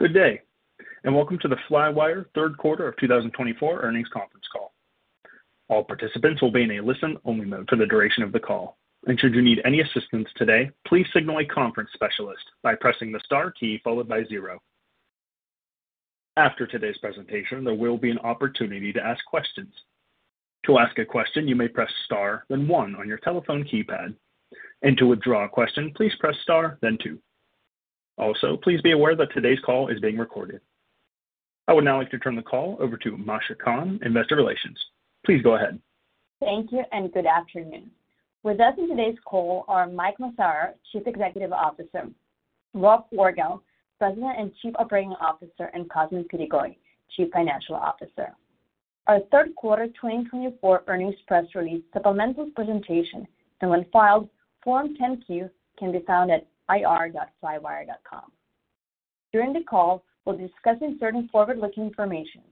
Good day, and welcome to the Flywire third quarter of 2024 earnings conference call. All participants will be in a listen-only mode for the duration of the call, and should you need any assistance today, please signal a conference specialist by pressing the star key followed by zero. After today's presentation, there will be an opportunity to ask questions. To ask a question, you may press star, then one on your telephone keypad. And to withdraw a question, please press star, then two. Also, please be aware that today's call is being recorded. I would now like to turn the call over to Masha Kahn, Investor Relations. Please go ahead. Thank you, and good afternoon. With us on today's call are Mike Massaro, Chief Executive Officer, Rob Orgel, President and Chief Operating Officer, and Cosmin Pitigoi, Chief Financial Officer. Our Third Quarter 2024 earnings press release supplemental presentation and when filed, Form 10-Q, can be found at ir.flywire.com. During the call, we'll be discussing certain forward-looking information.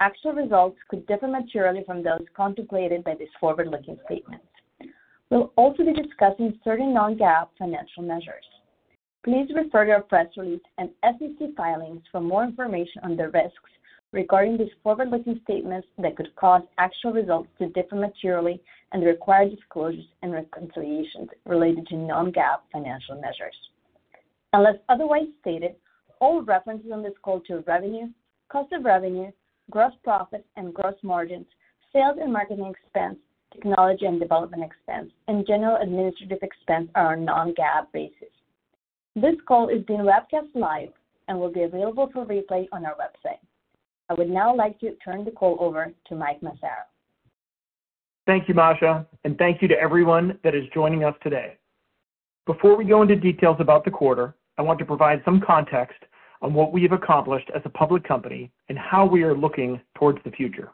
Actual results could differ materially from those contemplated by this forward-looking statement. We'll also be discussing certain non-GAAP financial measures. Please refer to our press release and SEC filings for more information on the risks regarding these forward-looking statements that could cause actual results to differ materially and require disclosures and reconciliations related to non-GAAP financial measures. Unless otherwise stated, all references on this call to revenue, cost of revenue, gross profit and gross margins, sales and marketing expense, technology and development expense, and administrative expense are on non-GAAP basis. This call is being broadcast live and will be available for replay on our website. I would now like to turn the call over to Mike Massaro. Thank you, Masha, and thank you to everyone that is joining us today. Before we go into details about the quarter, I want to provide some context on what we have accomplished as a public company and how we are looking towards the future.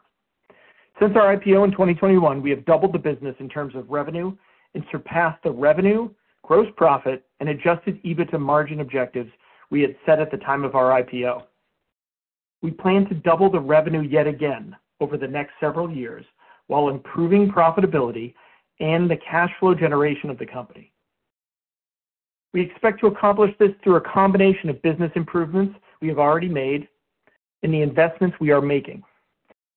Since our IPO in 2021, we have doubled the business in terms of revenue and surpassed the revenue, gross profit, and Adjusted EBITDA margin objectives we had set at the time of our IPO. We plan to double the revenue yet again over the next several years while improving profitability and the cash flow generation of the company. We expect to accomplish this through a combination of business improvements we have already made and the investments we are making.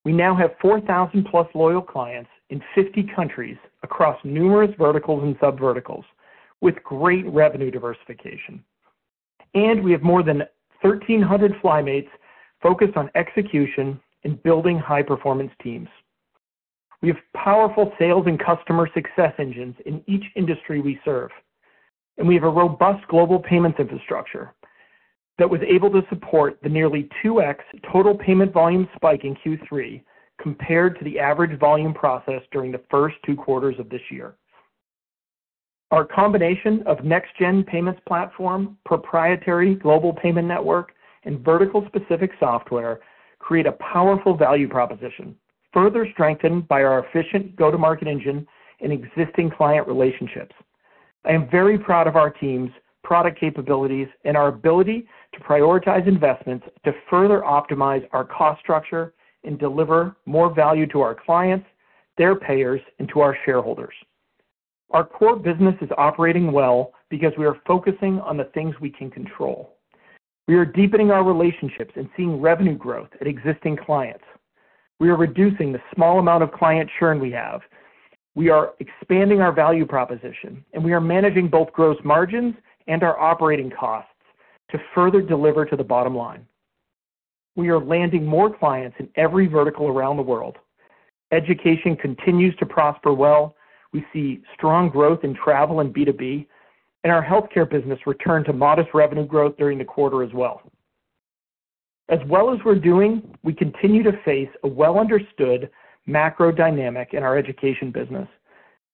We now have 4,000-plus loyal clients in 50 countries across numerous verticals and sub-verticals, with great revenue diversification. We have more than 1,300 Flymates focused on execution and building high-performance teams. We have powerful sales and customer success engines in each industry we serve, and we have a robust global payments infrastructure that was able to support the nearly 2x total payment volume spike in Q3 compared to the average volume processed during the first two quarters of this year. Our combination of next-gen payments platform, proprietary global payment network, and vertical-specific software creates a powerful value proposition, further strengthened by our efficient go-to-market engine and existing client relationships. I am very proud of our team's product capabilities and our ability to prioritize investments to further optimize our cost structure and deliver more value to our clients, their payers, and to our shareholders. Our core business is operating well because we are focusing on the things we can control. We are deepening our relationships and seeing revenue growth at existing clients. We are reducing the small amount of client churn we have. We are expanding our value proposition, and we are managing both gross margins and our operating costs to further deliver to the bottom line. We are landing more clients in every vertical around the world. Education continues to prosper well. We see strong growth in travel and B2B, and our healthcare business returned to modest revenue growth during the quarter as well. As well as we're doing, we continue to face a well-understood macro dynamic in our education business,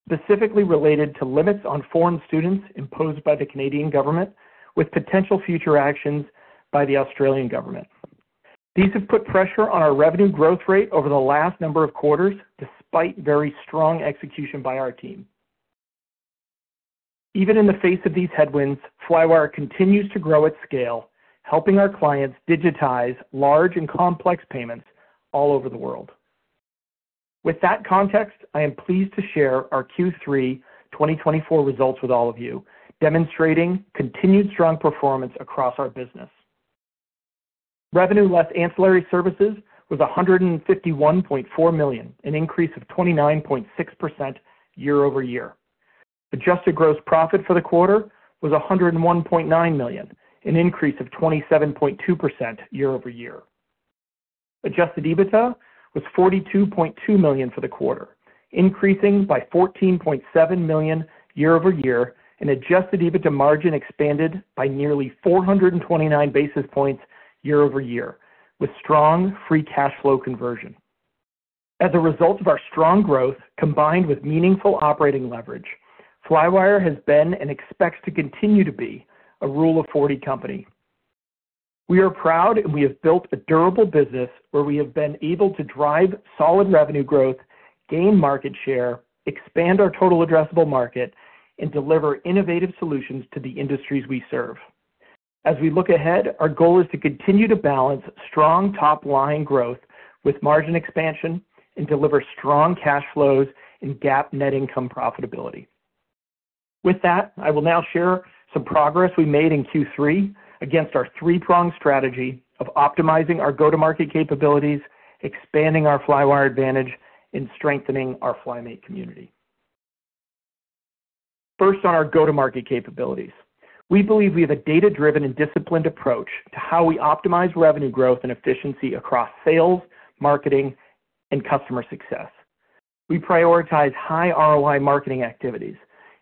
specifically related to limits on foreign students imposed by the Canadian government, with potential future actions by the Australian government. These have put pressure on our revenue growth rate over the last number of quarters, despite very strong execution by our team. Even in the face of these headwinds, Flywire continues to grow at scale, helping our clients digitize large and complex payments all over the world. With that context, I am pleased to share our Q3 2024 results with all of you, demonstrating continued strong performance across our business. Revenue less ancillary services was $151.4 million, an increase of 29.6% year over year. Adjusted gross profit for the quarter was $101.9 million, an increase of 27.2% year over year. Adjusted EBITDA was $42.2 million for the quarter, increasing by $14.7 million year over year, and adjusted EBITDA margin expanded by nearly 429 basis points year over year, with strong free cash flow conversion. As a result of our strong growth, combined with meaningful operating leverage, Flywire has been and expects to continue to be a Rule of 40 company. We are proud that we have built a durable business where we have been able to drive solid revenue growth, gain market share, expand our total addressable market, and deliver innovative solutions to the industries we serve. As we look ahead, our goal is to continue to balance strong top-line growth with margin expansion and deliver strong cash flows and GAAP net income profitability. With that, I will now share some progress we made in Q3 against our three-pronged strategy of optimizing our go-to-market capabilities, expanding our Flywire Advantage, and strengthening our Flymate community. First, on our go-to-market capabilities, we believe we have a data-driven and disciplined approach to how we optimize revenue growth and efficiency across sales, marketing, and customer success. We prioritize high ROI marketing activities,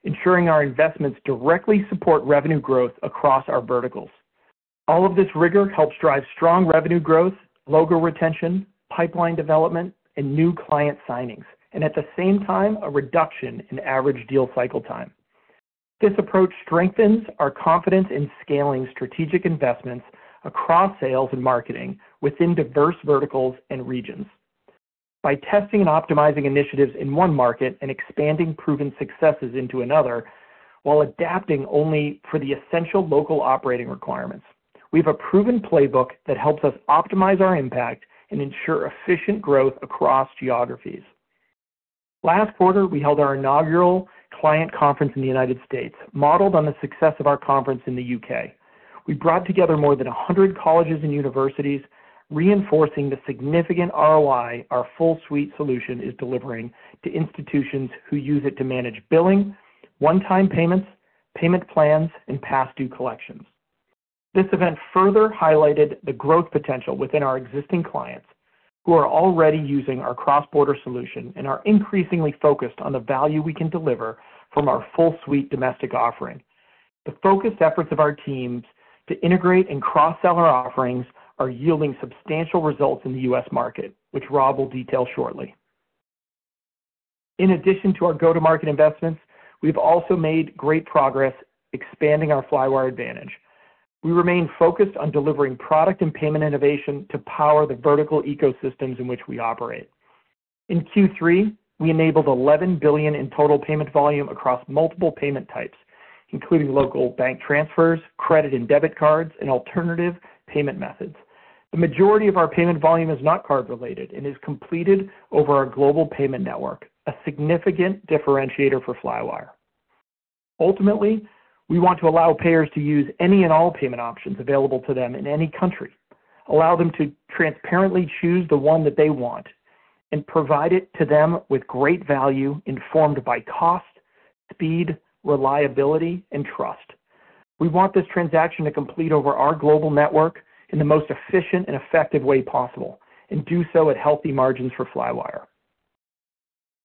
ensuring our investments directly support revenue growth across our verticals. All of this rigor helps drive strong revenue growth, logo retention, pipeline development, and new client signings, and at the same time, a reduction in average deal cycle time. This approach strengthens our confidence in scaling strategic investments across sales and marketing within diverse verticals and regions. By testing and optimizing initiatives in one market and expanding proven successes into another while adapting only for the essential local operating requirements, we have a proven playbook that helps us optimize our impact and ensure efficient growth across geographies. Last quarter, we held our inaugural client conference in the United States, modeled on the success of our conference in the U.K. We brought together more than 100 colleges and universities, reinforcing the significant ROI our full-suite solution is delivering to institutions who use it to manage billing, one-time payments, payment plans, and past due collections. This event further highlighted the growth potential within our existing clients who are already using our cross-border solution and are increasingly focused on the value we can deliver from our full-suite domestic offering. The focused efforts of our teams to integrate and cross-sell our offerings are yielding substantial results in the U.S. market, which Rob will detail shortly. In addition to our go-to-market investments, we have also made great progress expanding our Flywire Advantage. We remain focused on delivering product and payment innovation to power the vertical ecosystems in which we operate. In Q3, we enabled $11 billion in total payment volume across multiple payment types, including local bank transfers, credit and debit cards, and alternative payment methods. The majority of our payment volume is not card-related and is completed over our global payment network, a significant differentiator for Flywire. Ultimately, we want to allow payers to use any and all payment options available to them in any country, allow them to transparently choose the one that they want, and provide it to them with great value informed by cost, speed, reliability, and trust. We want this transaction to complete over our global network in the most efficient and effective way possible and do so at healthy margins for Flywire.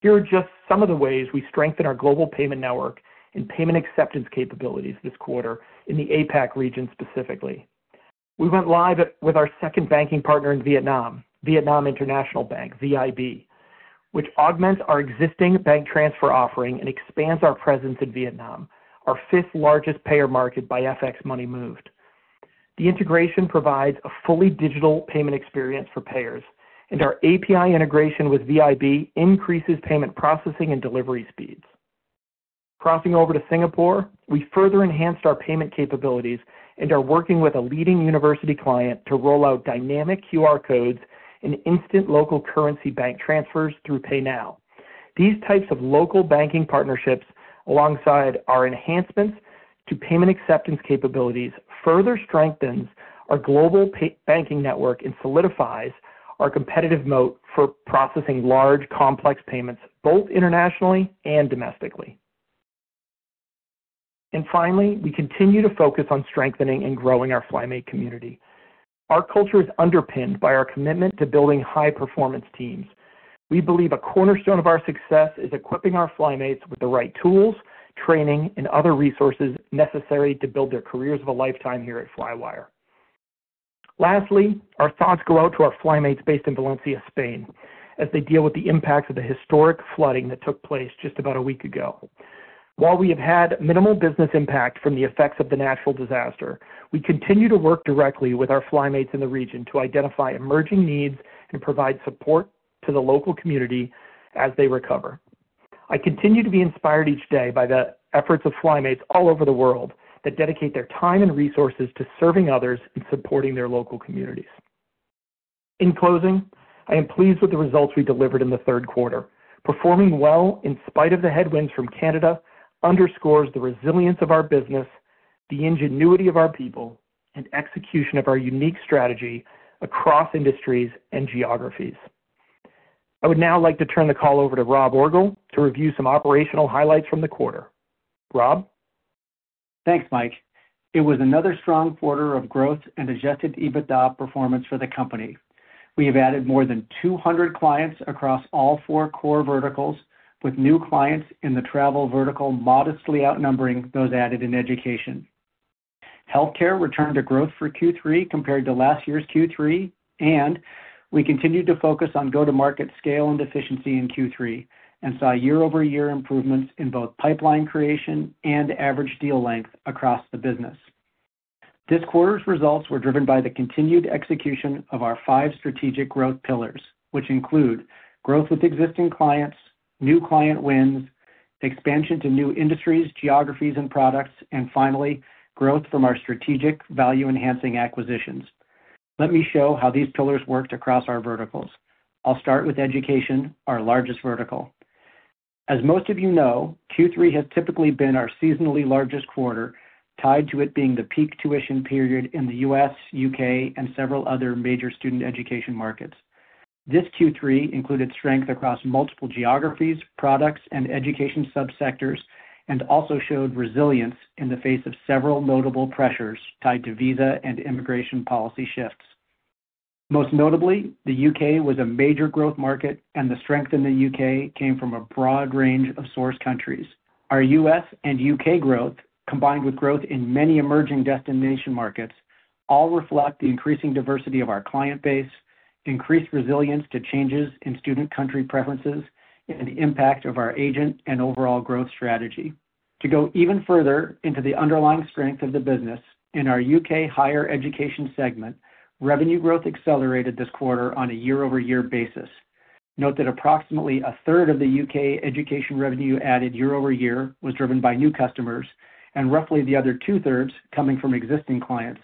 Here are just some of the ways we strengthen our global payment network and payment acceptance capabilities this quarter in the APAC region specifically. We went live with our second banking partner in Vietnam, Vietnam International Bank, VIB, which augments our existing bank transfer offering and expands our presence in Vietnam, our fifth-largest payer market by FX money moved. The integration provides a fully digital payment experience for payers, and our API integration with VIB increases payment processing and delivery speeds. Crossing over to Singapore, we further enhanced our payment capabilities and are working with a leading university client to roll out dynamic QR codes and instant local currency bank transfers through PayNow. These types of local banking partnerships, alongside our enhancements to payment acceptance capabilities, further strengthen our global banking network and solidify our competitive moat for processing large, complex payments, both internationally and domestically, and finally, we continue to focus on strengthening and growing our Flymate community. Our culture is underpinned by our commitment to building high-performance teams. We believe a cornerstone of our success is equipping our Flymates with the right tools, training, and other resources necessary to build their careers of a lifetime here at Flywire. Lastly, our thoughts go out to our Flymates based in Valencia, Spain, as they deal with the impacts of the historic flooding that took place just about a week ago. While we have had minimal business impact from the effects of the natural disaster, we continue to work directly with our Flymates in the region to identify emerging needs and provide support to the local community as they recover. I continue to be inspired each day by the efforts of Flymates all over the world that dedicate their time and resources to serving others and supporting their local communities. In closing, I am pleased with the results we delivered in the third quarter. Performing well in spite of the headwinds from Canada underscores the resilience of our business, the ingenuity of our people, and execution of our unique strategy across industries and geographies. I would now like to turn the call over to Rob Orgel to review some operational highlights from the quarter. Rob? Thanks, Mike. It was another strong quarter of growth and Adjusted EBITDA performance for the company. We have added more than 200 clients across all four core verticals, with new clients in the travel vertical modestly outnumbering those added in education. Healthcare returned to growth for Q3 compared to last year's Q3, and we continued to focus on go-to-market scale and efficiency in Q3 and saw year-over-year improvements in both pipeline creation and average deal length across the business. This quarter's results were driven by the continued execution of our five strategic growth pillars, which include growth with existing clients, new client wins, expansion to new industries, geographies, and products, and finally, growth from our strategic value-enhancing acquisitions. Let me show how these pillars worked across our verticals. I'll start with education, our largest vertical. As most of you know, Q3 has typically been our seasonally largest quarter, tied to it being the peak tuition period in the U.S., U.K., and several other major student education markets. This Q3 included strength across multiple geographies, products, and education sub-sectors, and also showed resilience in the face of several notable pressures tied to visa and immigration policy shifts. Most notably, the U.K. was a major growth market, and the strength in the U.K. came from a broad range of source countries. Our U.S. and U.K. growth, combined with growth in many emerging destination markets, all reflect the increasing diversity of our client base, increased resilience to changes in student country preferences, and the impact of our agent and overall growth strategy. To go even further into the underlying strength of the business, in our U.K. Higher education segment, revenue growth accelerated this quarter on a year-over-year basis. Note that approximately a third of the U.K. education revenue added year-over-year was driven by new customers, and roughly the other two-thirds coming from existing clients,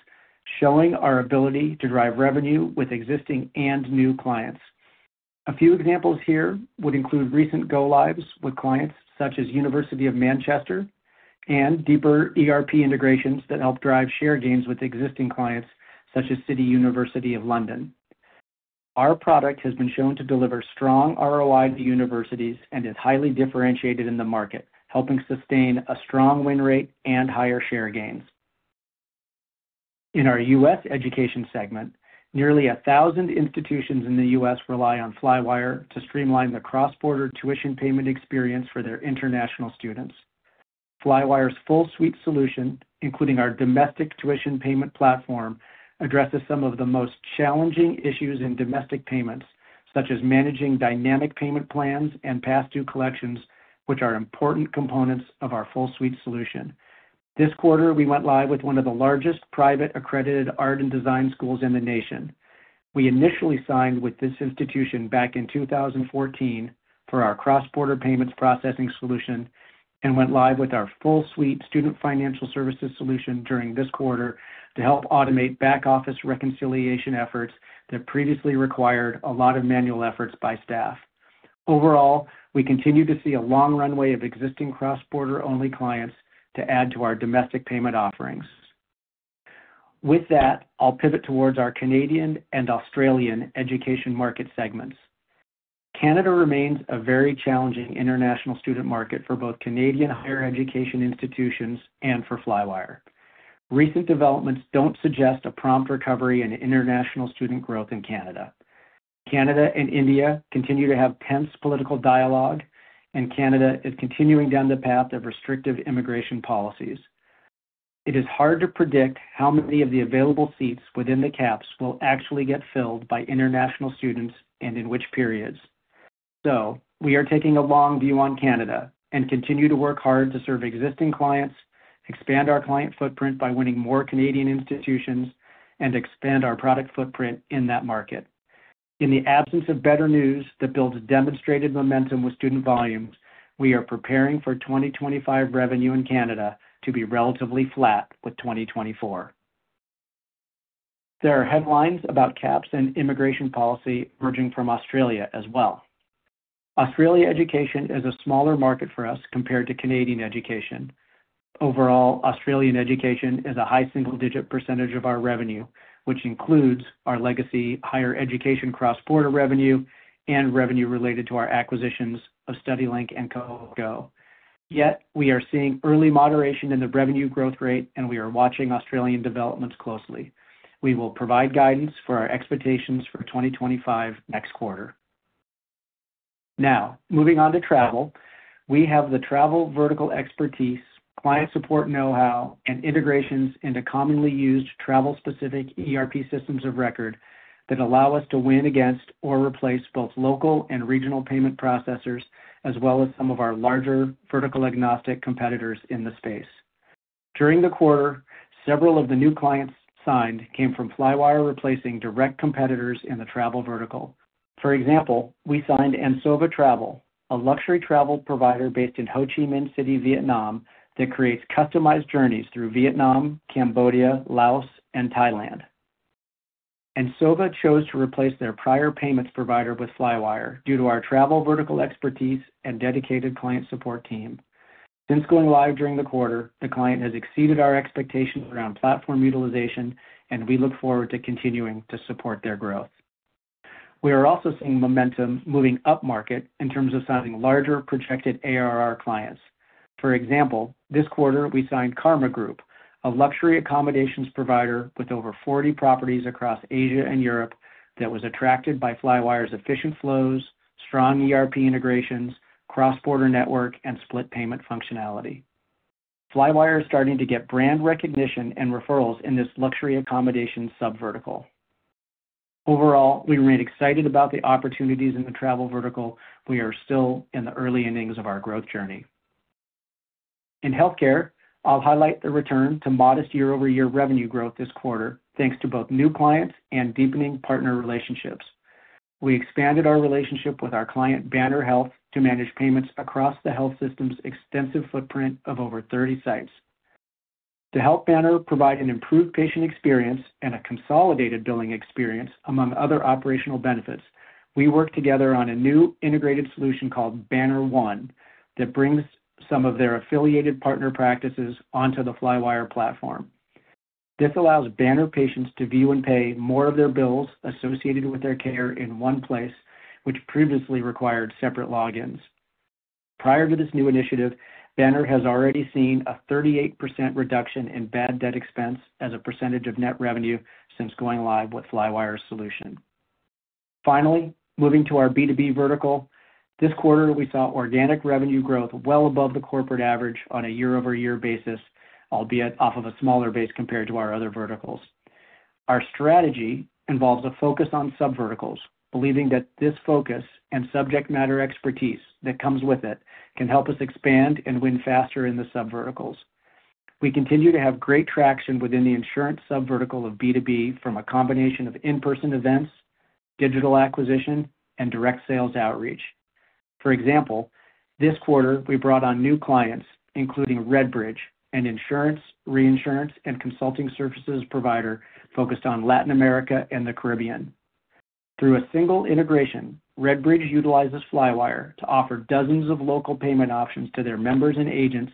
showing our ability to drive revenue with existing and new clients. A few examples here would include recent go-lives with clients such as University of Manchester and deeper ERP integrations that help drive share gains with existing clients such as City, University of London. Our product has been shown to deliver strong ROI to universities and is highly differentiated in the market, helping sustain a strong win rate and higher share gains. In our U.S. education segment, nearly 1,000 institutions in the U.S. rely on Flywire to streamline the cross-border tuition payment experience for their international students. Flywire's full-suite solution, including our domestic tuition payment platform, addresses some of the most challenging issues in domestic payments, such as managing dynamic payment plans and past due collections, which are important components of our full-suite solution. This quarter, we went live with one of the largest private accredited art and design schools in the nation. We initially signed with this institution back in 2014 for our cross-border payments processing solution and went live with our full-suite student financial services solution during this quarter to help automate back-office reconciliation efforts that previously required a lot of manual efforts by staff. Overall, we continue to see a long runway of existing cross-border-only clients to add to our domestic payment offerings. With that, I'll pivot towards our Canadian and Australian education market segments. Canada remains a very challenging international student market for both Canadian higher education institutions and for Flywire. Recent developments don't suggest a prompt recovery in international student growth in Canada. Canada and India continue to have tense political dialogue, and Canada is continuing down the path of restrictive immigration policies. It is hard to predict how many of the available seats within the caps will actually get filled by international students and in which periods. So we are taking a long view on Canada and continue to work hard to serve existing clients, expand our client footprint by winning more Canadian institutions, and expand our product footprint in that market. In the absence of better news that builds demonstrated momentum with student volumes, we are preparing for 2025 revenue in Canada to be relatively flat with 2024. There are headlines about caps and immigration policy emerging from Australia as well. Australian education is a smaller market for us compared to Canadian education. Overall, Australian education is a high single-digit % of our revenue, which includes our legacy higher education cross-border revenue and revenue related to our acquisitions of StudyLink and Cohort Go. Yet, we are seeing early moderation in the revenue growth rate, and we are watching Australian developments closely. We will provide guidance for our expectations for 2025 next quarter. Now, moving on to travel, we have the travel vertical expertise, client support know-how, and integrations into commonly used travel-specific ERP systems of record that allow us to win against or replace both local and regional payment processors, as well as some of our larger vertical-agnostic competitors in the space. During the quarter, several of the new clients signed came from Flywire replacing direct competitors in the travel vertical. For example, we signed Ansova Travel, a luxury travel provider based in Ho Chi Minh City, Vietnam, that creates customized journeys through Vietnam, Cambodia, Laos, and Thailand. Ansoba chose to replace their prior payments provider with Flywire due to our travel vertical expertise and dedicated client support team. Since going live during the quarter, the client has exceeded our expectations around platform utilization, and we look forward to continuing to support their growth. We are also seeing momentum moving up market in terms of signing larger projected ARR clients. For example, this quarter, we signed Karma Group, a luxury accommodations provider with over 40 properties across Asia and Europe that was attracted by Flywire's efficient flows, strong ERP integrations, cross-border network, and split payment functionality. Flywire is starting to get brand recognition and referrals in this luxury accommodations sub-vertical. Overall, we remain excited about the opportunities in the travel vertical. We are still in the early innings of our growth journey. In healthcare, I'll highlight the return to modest year-over-year revenue growth this quarter, thanks to both new clients and deepening partner relationships. We expanded our relationship with our client Banner Health to manage payments across the health system's extensive footprint of over 30 sites. To help Banner provide an improved patient experience and a consolidated billing experience, among other operational benefits, we worked together on a new integrated solution called Banner One that brings some of their affiliated partner practices onto the Flywire platform. This allows Banner patients to view and pay more of their bills associated with their care in one place, which previously required separate logins. Prior to this new initiative, Banner has already seen a 38% reduction in bad debt expense as a percentage of net revenue since going live with Flywire's solution. Finally, moving to our B2B vertical, this quarter, we saw organic revenue growth well above the corporate average on a year-over-year basis, albeit off of a smaller base compared to our other verticals. Our strategy involves a focus on sub-verticals, believing that this focus and subject matter expertise that comes with it can help us expand and win faster in the sub-verticals. We continue to have great traction within the insurance sub-vertical of B2B from a combination of in-person events, digital acquisition, and direct sales outreach. For example, this quarter, we brought on new clients, including Redbridge, an insurance, reinsurance, and consulting services provider focused on Latin America and the Caribbean. Through a single integration, Redbridge utilizes Flywire to offer dozens of local payment options to their members and agents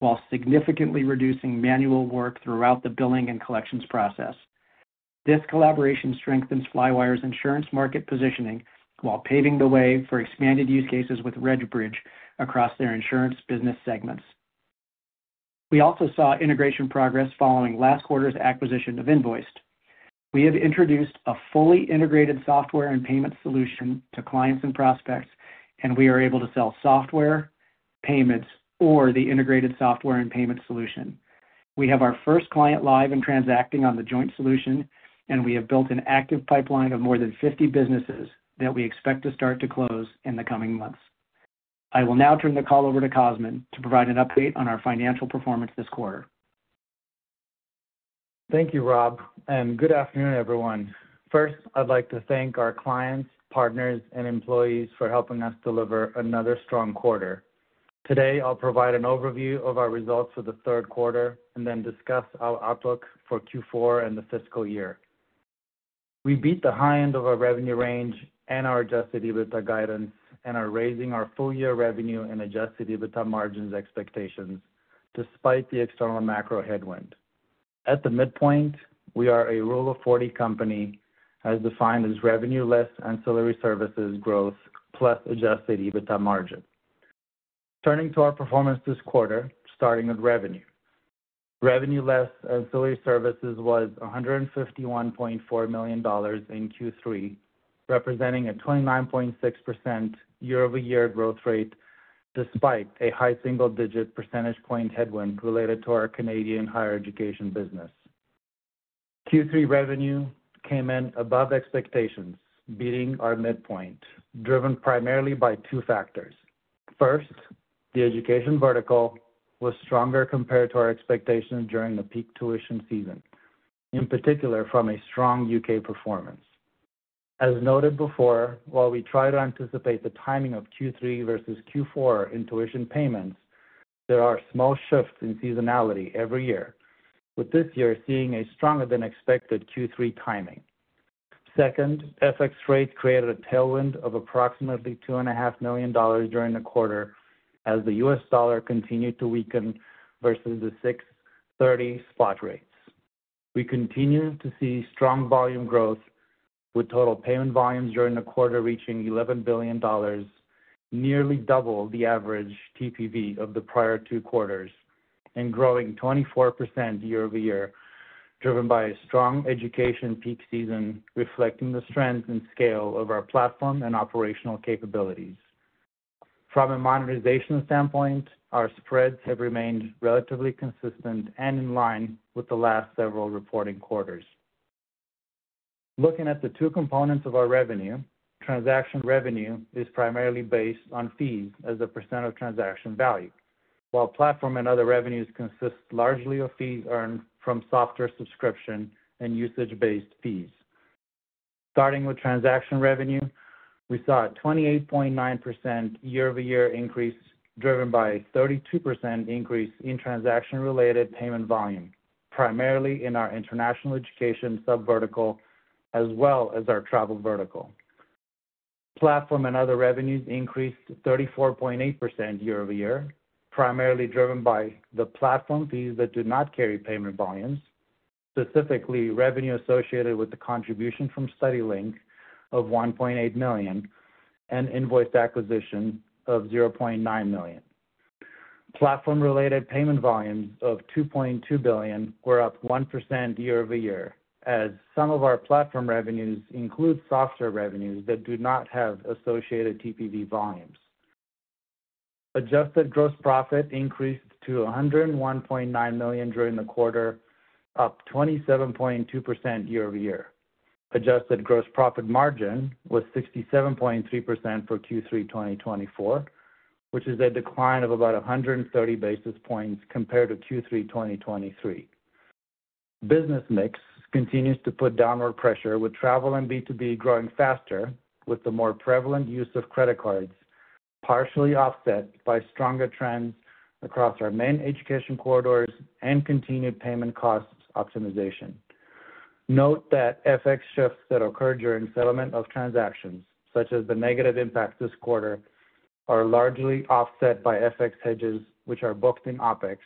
while significantly reducing manual work throughout the billing and collections process. This collaboration strengthens Flywire's insurance market positioning while paving the way for expanded use cases with Redbridge across their insurance business segments. We also saw integration progress following last quarter's acquisition of Invoiced. We have introduced a fully integrated software and payment solution to clients and prospects, and we are able to sell software, payments, or the integrated software and payment solution. We have our first client live and transacting on the joint solution, and we have built an active pipeline of more than 50 businesses that we expect to start to close in the coming months. I will now turn the call over to Cosmin to provide an update on our financial performance this quarter. Thank you, Rob, and good afternoon, everyone. First, I'd like to thank our clients, partners, and employees for helping us deliver another strong quarter. Today, I'll provide an overview of our results for the third quarter and then discuss our outlook for Q4 and the fiscal year. We beat the high end of our revenue range and our Adjusted EBITDA guidance, and are raising our full-year revenue and Adjusted EBITDA margins expectations despite the external macro headwind. At the midpoint, we are a Rule of 40 company as defined as revenue less ancillary services growth plus Adjusted EBITDA margin. Turning to our performance this quarter, starting with revenue. Revenue less ancillary services was $151.4 million in Q3, representing a 29.6% year-over-year growth rate despite a high single-digit percentage point headwind related to our Canadian higher education business. Q3 revenue came in above expectations, beating our midpoint, driven primarily by two factors. First, the education vertical was stronger compared to our expectations during the peak tuition season, in particular from a strong U.K. performance. As noted before, while we try to anticipate the timing of Q3 versus Q4 in tuition payments, there are small shifts in seasonality every year, with this year seeing a stronger-than-expected Q3 timing. Second, FX rates created a tailwind of approximately $2.5 million during the quarter as the U.S. dollar continued to weaken versus the 6:30 spot rates. We continue to see strong volume growth, with total payment volumes during the quarter reaching $11 billion, nearly double the average TPV of the prior two quarters, and growing 24% year-over-year, driven by a strong education peak season reflecting the strength and scale of our platform and operational capabilities. From a monetization standpoint, our spreads have remained relatively consistent and in line with the last several reporting quarters. Looking at the two components of our revenue, transaction revenue is primarily based on fees as a percent of transaction value, while platform and other revenues consist largely of fees earned from software subscription and usage-based fees. Starting with transaction revenue, we saw a 28.9% year-over-year increase driven by a 32% increase in transaction-related payment volume, primarily in our international education sub-vertical, as well as our travel vertical. Platform and other revenues increased 34.8% year-over-year, primarily driven by the platform fees that do not carry payment volumes, specifically revenue associated with the contribution from StudyLink of $1.8 million and Invoiced acquisition of $0.9 million. Platform-related payment volumes of $2.2 billion were up 1% year-over-year, as some of our platform revenues include software revenues that do not have associated TPV volumes. Adjusted gross profit increased to $101.9 million during the quarter, up 27.2% year-over-year. Adjusted gross profit margin was 67.3% for Q3 2024, which is a decline of about 130 basis points compared to Q3 2023. Business mix continues to put downward pressure, with travel and B2B growing faster, with the more prevalent use of credit cards partially offset by stronger trends across our main education corridors and continued payment costs optimization. Note that FX shifts that occurred during settlement of transactions, such as the negative impact this quarter, are largely offset by FX hedges, which are booked in OPEX,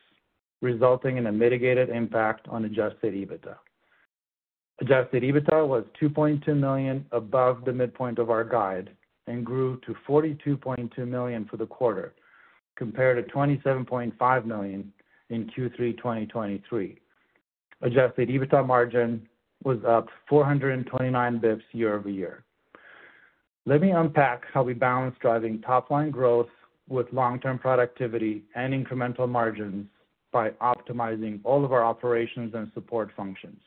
resulting in a mitigated impact on adjusted EBITDA. Adjusted EBITDA was $2.2 million above the midpoint of our guide and grew to $42.2 million for the quarter, compared to $27.5 million in Q3 2023. Adjusted EBITDA margin was up 429 basis points year-over-year. Let me unpack how we balance driving top-line growth with long-term productivity and incremental margins by optimizing all of our operations and support functions.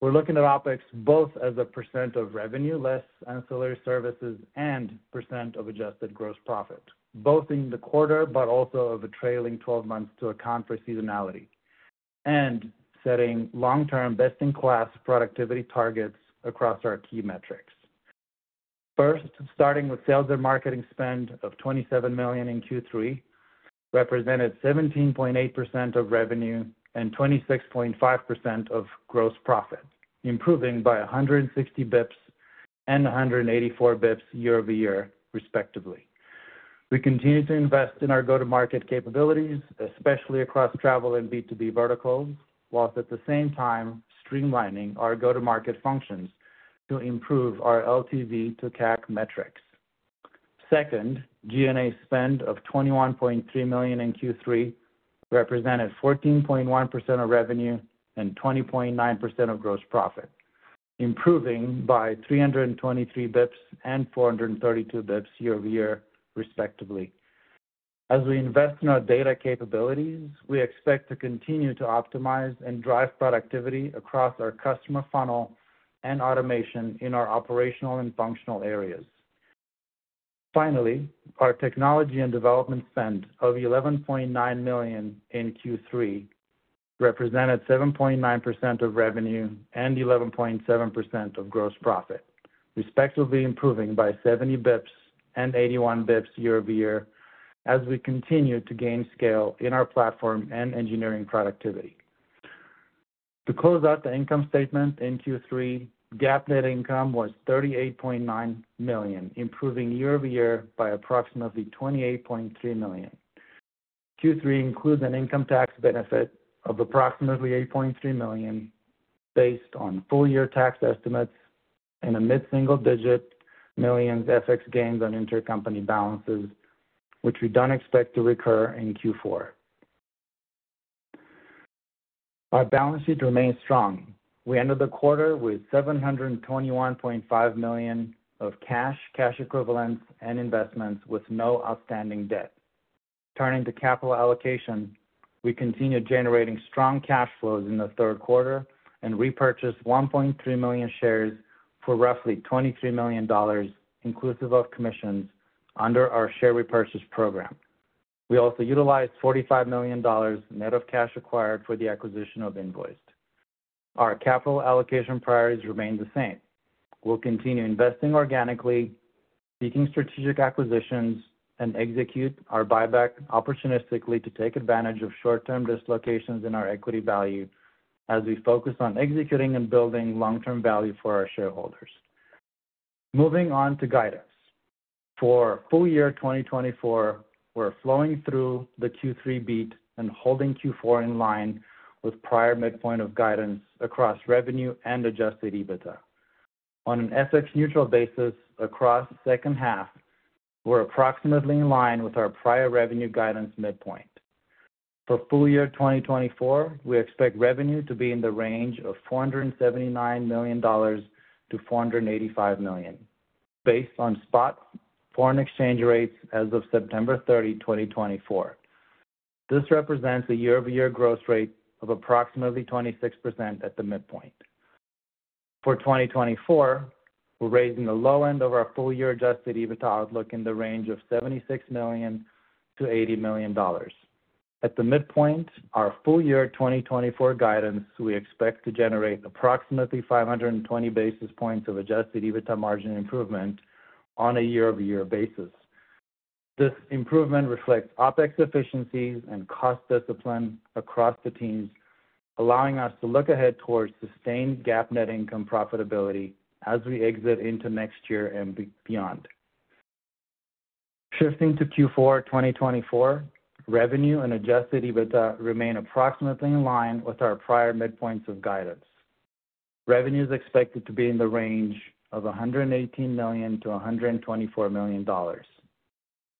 We're looking at OpEx both as a percent of revenue less ancillary services and percent of adjusted gross profit, both in the quarter but also over trailing 12 months to account for seasonality, and setting long-term best-in-class productivity targets across our key metrics. First, starting with sales and marketing spend of $27 million in Q3, represented 17.8% of revenue and 26.5% of gross profit, improving by 160 basis points and 184 basis points year-over-year, respectively. We continue to invest in our go-to-market capabilities, especially across travel and B2B verticals, while at the same time streamlining our go-to-market functions to improve our LTV to CAC metrics. Second, G&A spend of $21.3 million in Q3 represented 14.1% of revenue and 20.9% of gross profit, improving by 323 basis points and 432 basis points year-over-year, respectively. As we invest in our data capabilities, we expect to continue to optimize and drive productivity across our customer funnel and automation in our operational and functional areas. Finally, our technology and development spend of $11.9 million in Q3 represented 7.9% of revenue and 11.7% of gross profit, respectively improving by 70 basis points and 81 basis points year-over-year as we continue to gain scale in our platform and engineering productivity. To close out the income statement in Q3, GAAP net income was $38.9 million, improving year-over-year by approximately $28.3 million. Q3 includes an income tax benefit of approximately $8.3 million based on full-year tax estimates and a mid-single-digit million FX gains on intercompany balances, which we don't expect to recur in Q4. Our balance sheet remains strong. We ended the quarter with $721.5 million of cash, cash equivalents, and investments with no outstanding debt. Turning to capital allocation, we continued generating strong cash flows in the third quarter and repurchased 1.3 million shares for roughly $23 million, inclusive of commissions, under our share repurchase program. We also utilized $45 million net of cash acquired for the acquisition of Invoiced. Our capital allocation priorities remain the same. We'll continue investing organically, seeking strategic acquisitions, and execute our buyback opportunistically to take advantage of short-term dislocations in our equity value as we focus on executing and building long-term value for our shareholders. Moving on to guidance. For full year 2024, we're flowing through the Q3 beat and holding Q4 in line with prior midpoint of guidance across revenue and Adjusted EBITDA. On an FX-neutral basis across the second half, we're approximately in line with our prior revenue guidance midpoint. For full year 2024, we expect revenue to be in the range of $479 million-$485 million, based on spot foreign exchange rates as of September 30, 2024. This represents a year-over-year growth rate of approximately 26% at the midpoint. For 2024, we're raising the low end of our full-year adjusted EBITDA outlook in the range of $76 million-$80 million. At the midpoint, our full year 2024 guidance, we expect to generate approximately 520 basis points of adjusted EBITDA margin improvement on a year-over-year basis. This improvement reflects OPEX efficiencies and cost discipline across the teams, allowing us to look ahead towards sustained GAAP net income profitability as we exit into next year and beyond. Shifting to Q4 2024, revenue and Adjusted EBITDA remain approximately in line with our prior midpoints of guidance. Revenue is expected to be in the range of $118 million-$124 million.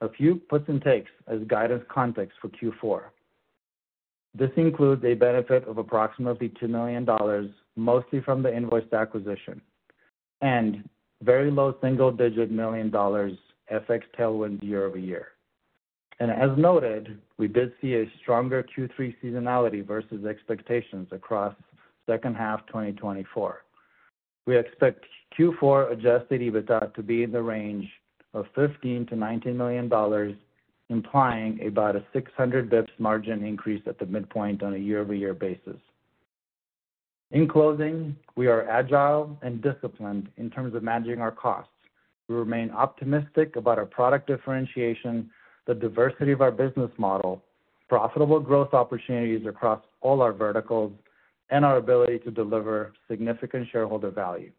A few puts and takes as guidance context for Q4. This includes a benefit of approximately $2 million, mostly from the Invoiced acquisition, and very low single-digit million dollars FX tailwinds year-over-year. And as noted, we did see a stronger Q3 seasonality versus expectations across the second half of 2024. We expect Q4 Adjusted EBITDA to be in the range of $15 million-$19 million, implying about a $600 basis points margin increase at the midpoint on a year-over-year basis. In closing, we are agile and disciplined in terms of managing our costs. We remain optimistic about our product differentiation, the diversity of our business model, profitable growth opportunities across all our verticals, and our ability to deliver significant shareholder value.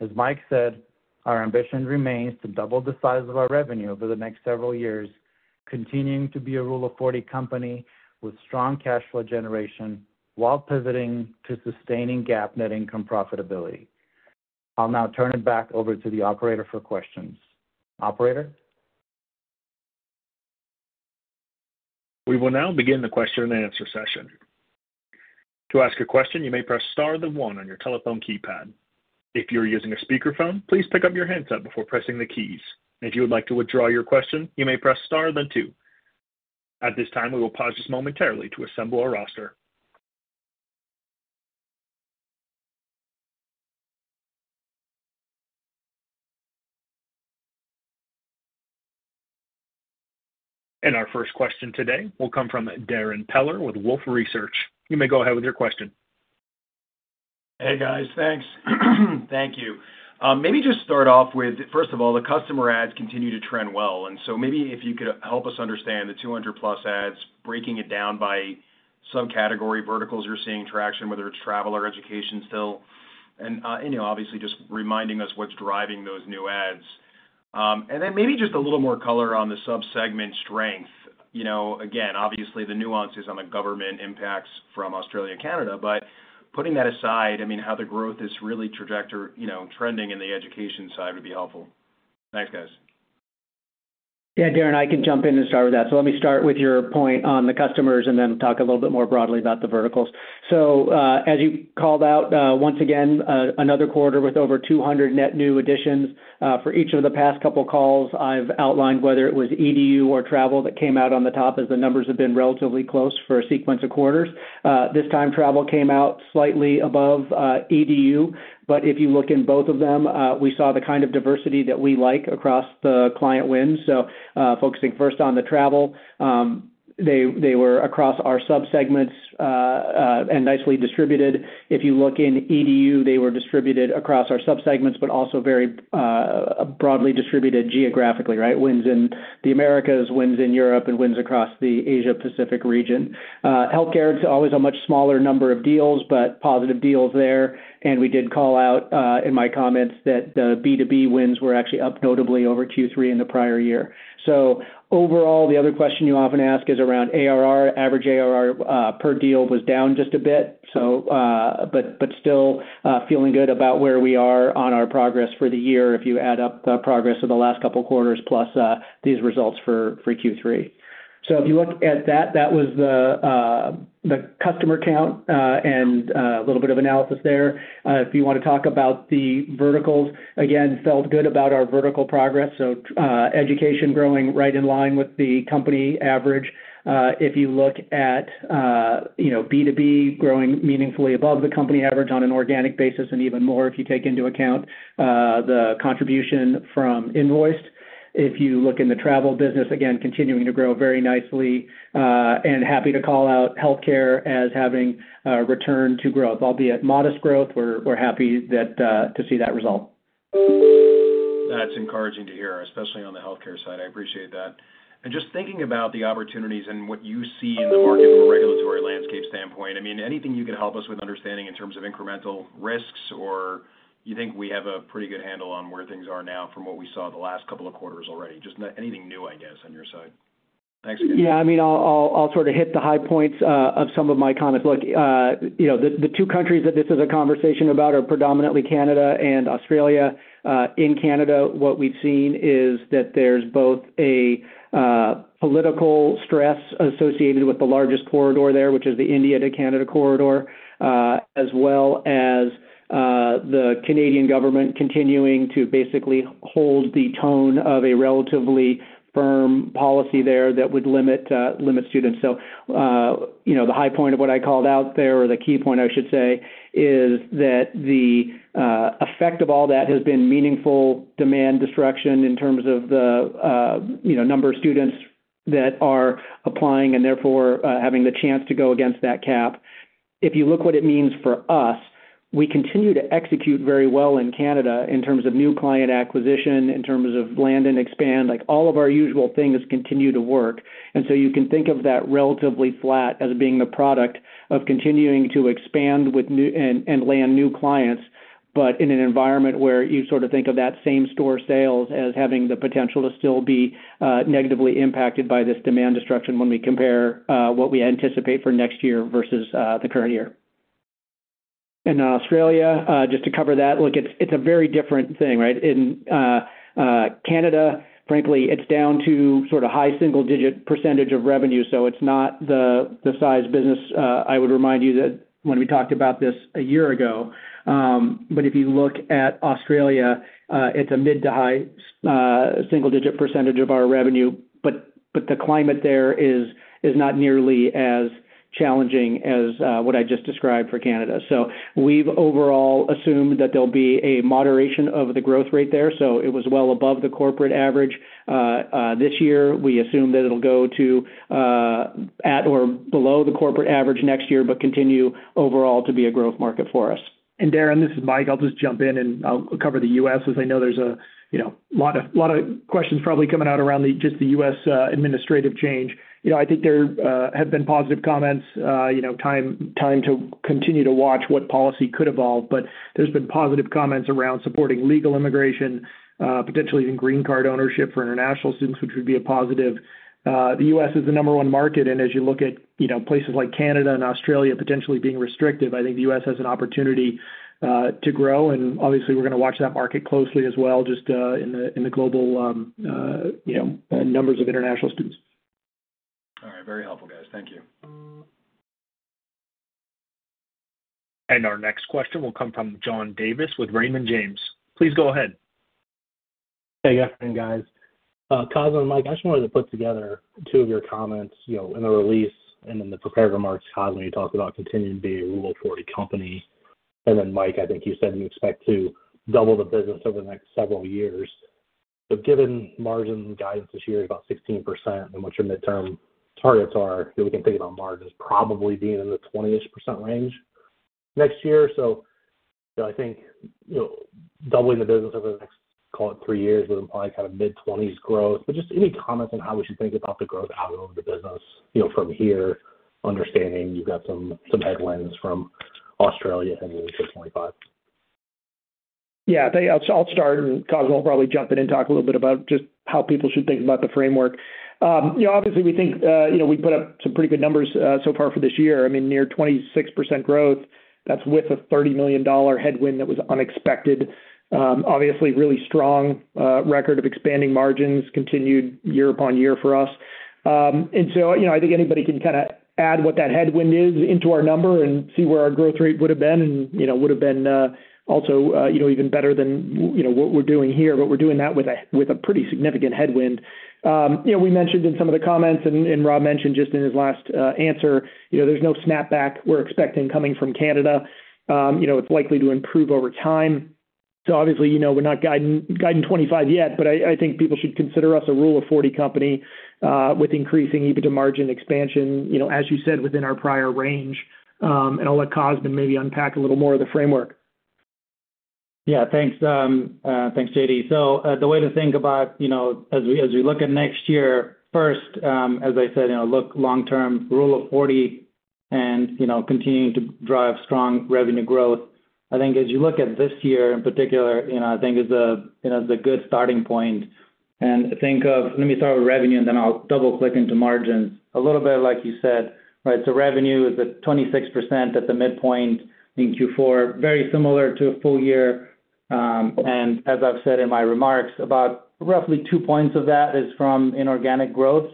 As Mike said, our ambition remains to double the size of our revenue over the next several years, continuing to be a Rule of 40 company with strong cash flow generation while pivoting to sustaining GAAP net income profitability. I'll now turn it back over to the operator for questions. Operator? We will now begin the Q&A. To ask a question, you may press star then one on your telephone keypad. If you're using a speakerphone, please pick up your handset before pressing the keys. If you would like to withdraw your question, you may press star then two. At this time, we will pause just momentarily to assemble our roster. Our first question today will come from Darrin Peller with Wolfe Research. You may go ahead with your question. Hey, guys. Thanks. Thank you. Maybe just start off with, first of all, the customer adds continue to trend well. And so maybe if you could help us understand the 200-plus adds, breaking it down by subcategory verticals you're seeing traction, whether it's travel or education still, and obviously just reminding us what's driving those new adds. And then maybe just a little more color on the subsegment strength. Again, obviously, the nuances on the government impacts from Australia and Canada, but putting that aside, I mean, how the growth is really trajectory trending in the education side would be helpful. Thanks, guys. Yeah, Darrin, I can jump in and start with that. So let me start with your point on the customers and then talk a little bit more broadly about the verticals. So as you called out, once again, another quarter with over 200 net new additions. For each of the past couple of calls, I've outlined whether it was EDU or travel that came out on the top as the numbers have been relatively close for a sequence of quarters. This time, travel came out slightly above EDU. But if you look in both of them, we saw the kind of diversity that we like across the client wins. So focusing first on the travel, they were across our subsegments and nicely distributed. If you look in EDU, they were distributed across our subsegments, but also very broadly distributed geographically, right? Wins in the Americas, wins in Europe, and wins across the Asia-Pacific region. Healthcare is always a much smaller number of deals, but positive deals there, and we did call out in my comments that the B2B wins were actually up notably over Q3 in the prior year, so overall, the other question you often ask is around ARR. Average ARR per deal was down just a bit, but still feeling good about where we are on our progress for the year if you add up the progress of the last couple of quarters plus these results for Q3, so if you look at that, that was the customer count and a little bit of analysis there. If you want to talk about the verticals, again, felt good about our vertical progress, so education growing right in line with the company average. If you look at B2B growing meaningfully above the company average on an organic basis and even more if you take into account the contribution from Invoiced. If you look in the travel business, again, continuing to grow very nicely. And happy to call out healthcare as having returned to growth, albeit modest growth. We're happy to see that result. That's encouraging to hear, especially on the healthcare side. I appreciate that. And just thinking about the opportunities and what you see in the market from a regulatory landscape standpoint, I mean, anything you can help us with understanding in terms of incremental risks or you think we have a pretty good handle on where things are now from what we saw the last couple of quarters already? Just anything new, I guess, on your side. Thanks again. Yeah, I mean, I'll sort of hit the high points of some of my comments. Look, the two countries that this is a conversation about are predominantly Canada and Australia. In Canada, what we've seen is that there's both a political stress associated with the largest corridor there, which is the India to Canada corridor, as well as the Canadian government continuing to basically hold the tone of a relatively firm policy there that would limit students. So the high point of what I called out there, or the key point, I should say, is that the effect of all that has been meaningful demand destruction in terms of the number of students that are applying and therefore having the chance to go against that cap. If you look what it means for us, we continue to execute very well in Canada in terms of new client acquisition, in terms of land and expand. All of our usual things continue to work. And so you can think of that relatively flat as being the product of continuing to expand and land new clients, but in an environment where you sort of think of that same store sales as having the potential to still be negatively impacted by this demand destruction when we compare what we anticipate for next year versus the current year. And in Australia, just to cover that, look, it's a very different thing, right? In Canada, frankly, it's down to sort of high single-digit % of revenue. So it's not the size business. I would remind you that when we talked about this a year ago. But if you look at Australia, it's a mid- to high single-digit % of our revenue. But the climate there is not nearly as challenging as what I just described for Canada. So we've overall assumed that there'll be a moderation of the growth rate there. So it was well above the corporate average this year. We assume that it'll go to at or below the corporate average next year, but continue overall to be a growth market for us. And Darrin, this is Mike. I'll just jump in and I'll cover the U.S. because I know there's a lot of questions probably coming out around just the U.S. administrative change. I think there have been positive comments. Time to continue to watch what policy could evolve. But there's been positive comments around supporting legal immigration, potentially even green card ownership for international students, which would be a positive. The U.S. is the number one market, and as you look at places like Canada and Australia potentially being restrictive, I think the U.S. has an opportunity to grow, and obviously, we're going to watch that market closely as well just in the global numbers of international students. All right. Very helpful, guys. Thank you, and our next question will come from John Davis with Raymond James. Please go ahead. Hey, good afternoon, guys. Cosmin and Mike, I just wanted to put together two of your comments in the release and in the prepared remarks. Cosmin, you talked about continuing to be a Rule of 40 company, and then Mike, I think you said you expect to double the business over the next several years. But given margin guidance this year is about 16% and what your midterm targets are, we can think about margins probably being in the 20-ish% range next year. So I think doubling the business over the next, call it, three years would imply kind of mid-20s growth. But just any comments on how we should think about the growth out of the business from here, understanding you've got some headwinds from Australia heading into 2025? Yeah, I'll start, and Cosmin will probably jump in and talk a little bit about just how people should think about the framework. Obviously, we think we put up some pretty good numbers so far for this year. I mean, near 26% growth. That's with a $30 million headwind that was unexpected. Obviously, really strong record of expanding margins continued year upon year for us. I think anybody can kind of add what that headwind is into our number and see where our growth rate would have been and would have been also even better than what we're doing here. But we're doing that with a pretty significant headwind. We mentioned in some of the comments, and Rob mentioned just in his last answer, there's no snapback we're expecting coming from Canada. It's likely to improve over time. Obviously, we're not guiding 25 yet, but I think people should consider us a rule-of-40 company with increasing EBITDA margin expansion, as you said, within our prior range. I'll let Cosmin maybe unpack a little more of the framework. Yeah, thanks. Thanks, JD. The way to think about, as we look at next year, first, as I said, look long-term rule of 40 and continuing to drive strong revenue growth. I think, as you look at this year in particular, it is a good starting point. Let me start with revenue, and then I'll double-click into margins. A little bit like you said, right? So revenue is at 26% at the midpoint in Q4, very similar to a full year. And as I've said in my remarks, about roughly two points of that is from inorganic growth.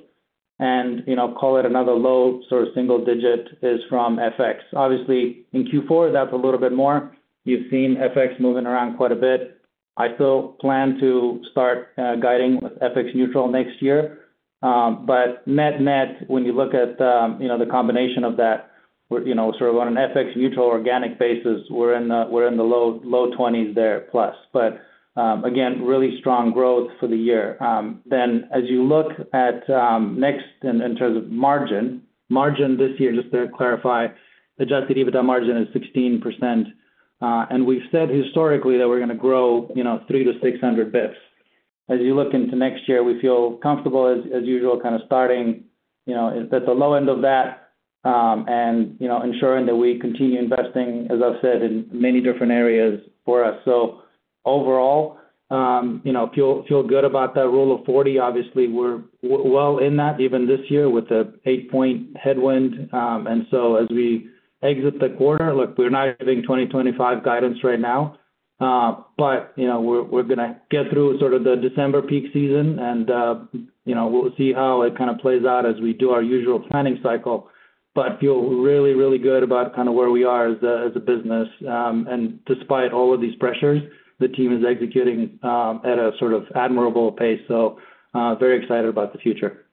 And call it another low sort of single digit is from FX. Obviously, in Q4, that's a little bit more. You've seen FX moving around quite a bit. I still plan to start guiding with FX neutral next year. But net-net, when you look at the combination of that, we're sort of on an FX neutral organic basis. We're in the low 20s there plus. But again, really strong growth for the year. Then as you look at next in terms of margin, margin this year, just to clarify, Adjusted EBITDA margin is 16%. And we've said historically that we're going to grow 300 to 600 basis points. As you look into next year, we feel comfortable, as usual, kind of starting at the low end of that and ensuring that we continue investing, as I've said, in many different areas for us. So overall, feel good about that Rule of 40. Obviously, we're well in that even this year with an eight-point headwind. And so as we exit the quarter, look, we're not having 2025 guidance right now. But we're going to get through sort of the December peak season, and we'll see how it kind of plays out as we do our usual planning cycle. But feel really, really good about kind of where we are as a business. Despite all of these pressures, the team is executing at a sort of admirable pace. So very excited about the future.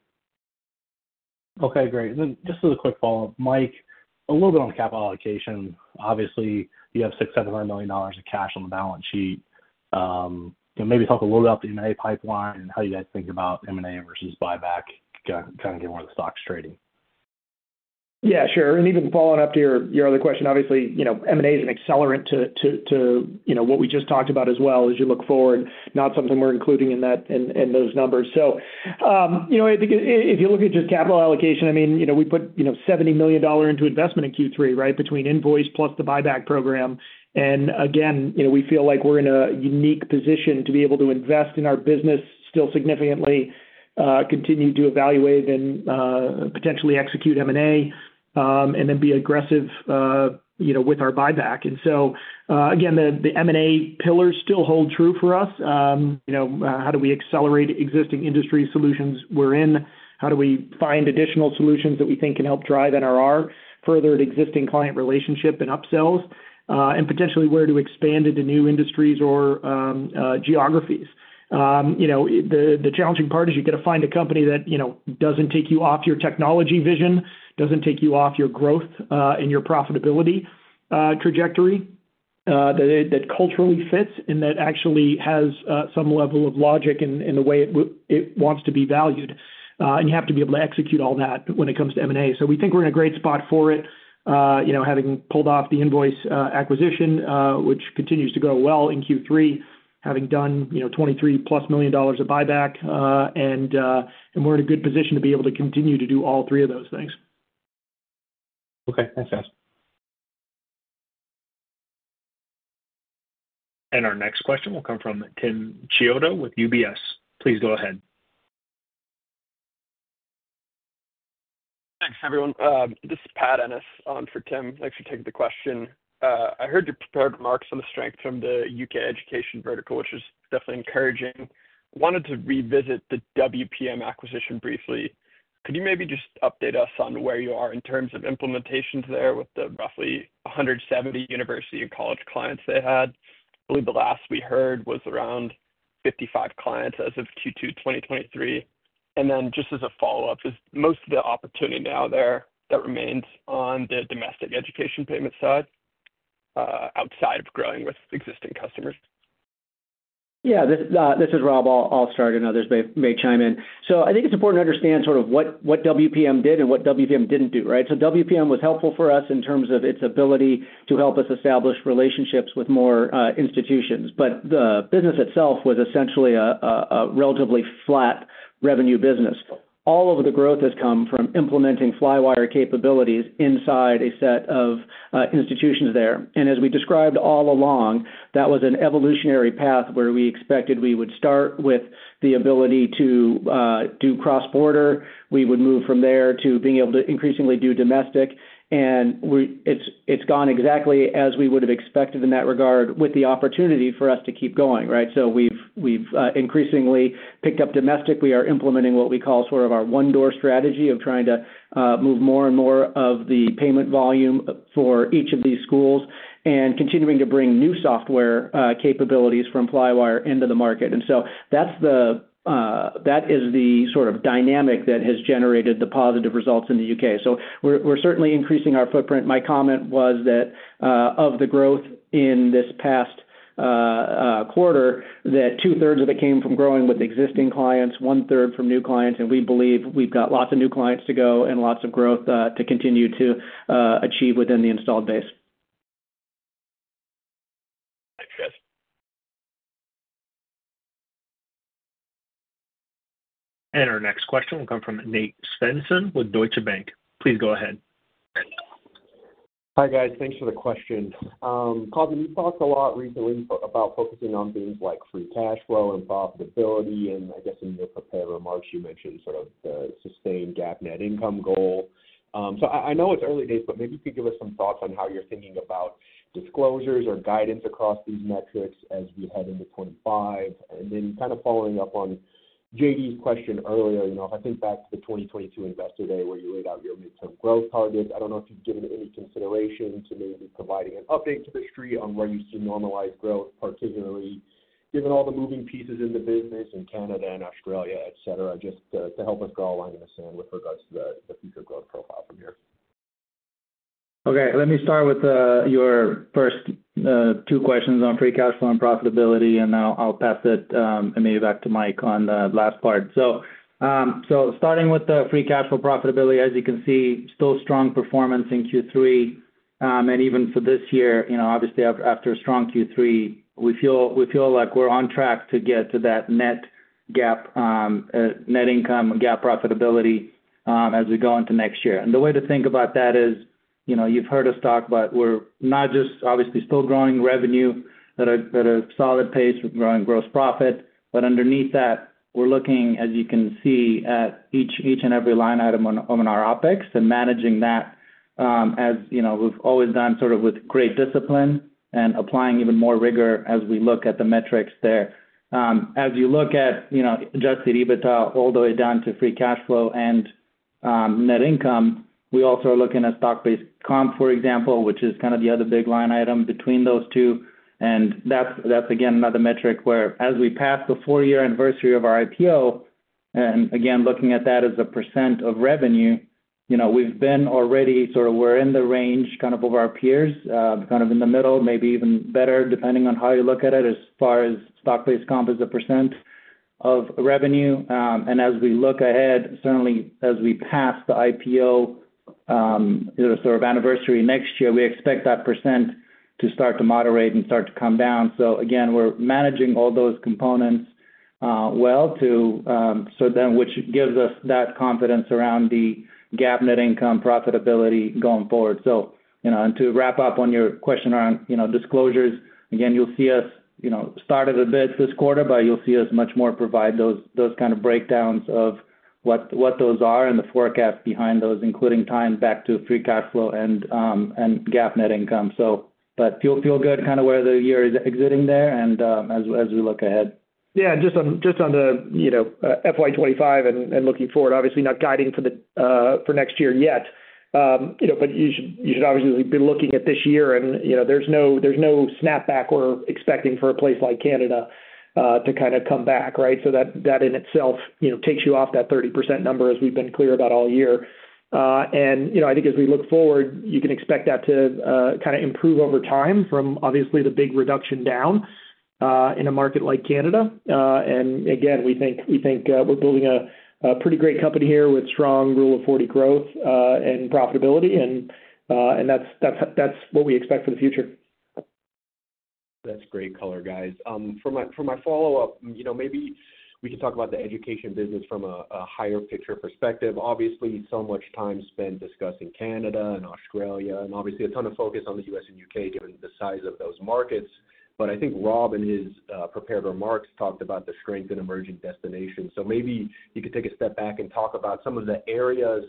Okay, great. Then just as a quick follow-up, Mike, a little bit on capital allocation. Obviously, you have $600 million-$700 million of cash on the balance sheet. Maybe talk a little bit about the M&A pipeline and how you guys think about M&A versus buyback, kind of get more of the stocks trading. Yeah, sure. Even following up to your other question, obviously, M&A is an accelerant to what we just talked about as well as you look forward, not something we're including in those numbers. So I think if you look at just capital allocation, I mean, we put $70 million into investment in Q3, right, between Invoiced plus the buyback program. And again, we feel like we're in a unique position to be able to invest in our business still significantly, continue to evaluate and potentially execute M&A, and then be aggressive with our buyback. And so again, the M&A pillars still hold true for us. How do we accelerate existing industry solutions we're in? How do we find additional solutions that we think can help drive NRR further at existing client relationship and upsells? And potentially where to expand into new industries or geographies. The challenging part is you got to find a company that doesn't take you off your technology vision, doesn't take you off your growth and your profitability trajectory, that culturally fits and that actually has some level of logic in the way it wants to be valued. And you have to be able to execute all that when it comes to M&A. So we think we're in a great spot for it, having pulled off the Invoiced acquisition, which continues to go well in Q3, having done $23-plus million of buyback. And we're in a good position to be able to continue to do all three of those things. Okay, thanks, guys. And our next question will come from Tim Chiodo with UBS. Please go ahead. Thanks, everyone. This is Pat Ennis for Tim. Thanks for taking the question. I heard you prepared remarks on the strength from the U.K. education vertical, which is definitely encouraging. Wanted to revisit the WPM acquisition briefly. Could you maybe just update us on where you are in terms of implementations there with the roughly 170 university and college clients they had? I believe the last we heard was around 55 clients as of Q2 2023. And then just as a follow-up, is most of the opportunity now there that remains on the domestic education payment side outside of growing with existing customers? Yeah, this is Rob. I'll start, and others may chime in. So I think it's important to understand sort of what WPM did and what WPM didn't do, right? So WPM was helpful for us in terms of its ability to help us establish relationships with more institutions. But the business itself was essentially a relatively flat revenue business. All of the growth has come from implementing Flywire capabilities inside a set of institutions there. And as we described all along, that was an evolutionary path where we expected we would start with the ability to do cross-border. We would move from there to being able to increasingly do domestic. It's gone exactly as we would have expected in that regard with the opportunity for us to keep going, right? We've increasingly picked up domestic. We are implementing what we call sort of our one-door strategy of trying to move more and more of the payment volume for each of these schools and continuing to bring new software capabilities from Flywire into the market. That is the sort of dynamic that has generated the positive results in the U.K. We're certainly increasing our footprint. My comment was that of the growth in this past quarter, that two-thirds of it came from growing with existing clients, one-third from new clients. We believe we've got lots of new clients to go and lots of growth to continue to achieve within the installed base. Thanks, guys. And our next question will come from Nate Svensson with Deutsche Bank. Please go ahead. Hi, guys. Thanks for the question. Cosmin, you talked a lot recently about focusing on things like free cash flow and profitability. And I guess in your prepared remarks, you mentioned sort of the sustained GAAP net income goal. So I know it's early days, but maybe you could give us some thoughts on how you're thinking about disclosures or guidance across these metrics as we head into 2025. And then kind of following up on JD's question earlier, if I think back to the 2022 investor day where you laid out your midterm growth targets, I don't know if you've given any consideration to maybe providing an update to the street on where you see normalized growth, particularly given all the moving pieces in the business in Canada and Australia, etc., just to help us draw a line in the sand with regards to the future growth profile from here. Okay. Let me start with your first two questions on free cash flow and profitability, and then I'll pass it maybe back to Mike on the last part. So starting with the free cash flow profitability, as you can see, still strong performance in Q3. And even for this year, obviously, after a strong Q3, we feel like we're on track to get to that net GAAP, net income, and GAAP profitability as we go into next year. And the way to think about that is you've heard us talk about we're not just obviously still growing revenue at a solid pace, growing gross profit, but underneath that, we're looking, as you can see, at each and every line item on our OpEx and managing that as we've always done sort of with great discipline and applying even more rigor as we look at the metrics there. As you look at adjusted EBITDA all the way down to free cash flow and net income, we also are looking at stock-based comp, for example, which is kind of the other big line item between those two. That's, again, another metric where, as we pass the four-year anniversary of our IPO, and again, looking at that as a percent of revenue, we've been already sort of in the range kind of of our peers, kind of in the middle, maybe even better, depending on how you look at it as far as stock-based comp as a percent of revenue. As we look ahead, certainly, as we pass the IPO sort of anniversary next year, we expect that percent to start to moderate and start to come down. Again, we're managing all those components well too, which gives us that confidence around the GAAP net income profitability going forward. So to wrap up on your question around disclosures, again, you'll see us started a bit this quarter, but you'll see us much more provide those kind of breakdowns of what those are and the forecast behind those, including tying back to free cash flow and GAAP net income. But feel good kind of where the year is exiting there as we look ahead. Yeah, just on the FY25 and looking forward, obviously not guiding for next year yet. But you should obviously be looking at this year, and there's no snapback or expecting for a place like Canada to kind of come back, right? So that in itself takes you off that 30% number as we've been clear about all year. And I think as we look forward, you can expect that to kind of improve over time from obviously the big reduction down in a market like Canada. And again, we think we're building a pretty great company here with strong Rule of 40 growth and profitability. And that's what we expect for the future. That's great color, guys. For my follow-up, maybe we can talk about the education business from a big-picture perspective. Obviously, so much time spent discussing Canada and Australia, and obviously a ton of focus on the U.S. and U.K. given the size of those markets. But I think Rob in his prepared remarks talked about the strength in emerging destinations. So maybe you could take a step back and talk about some of the areas,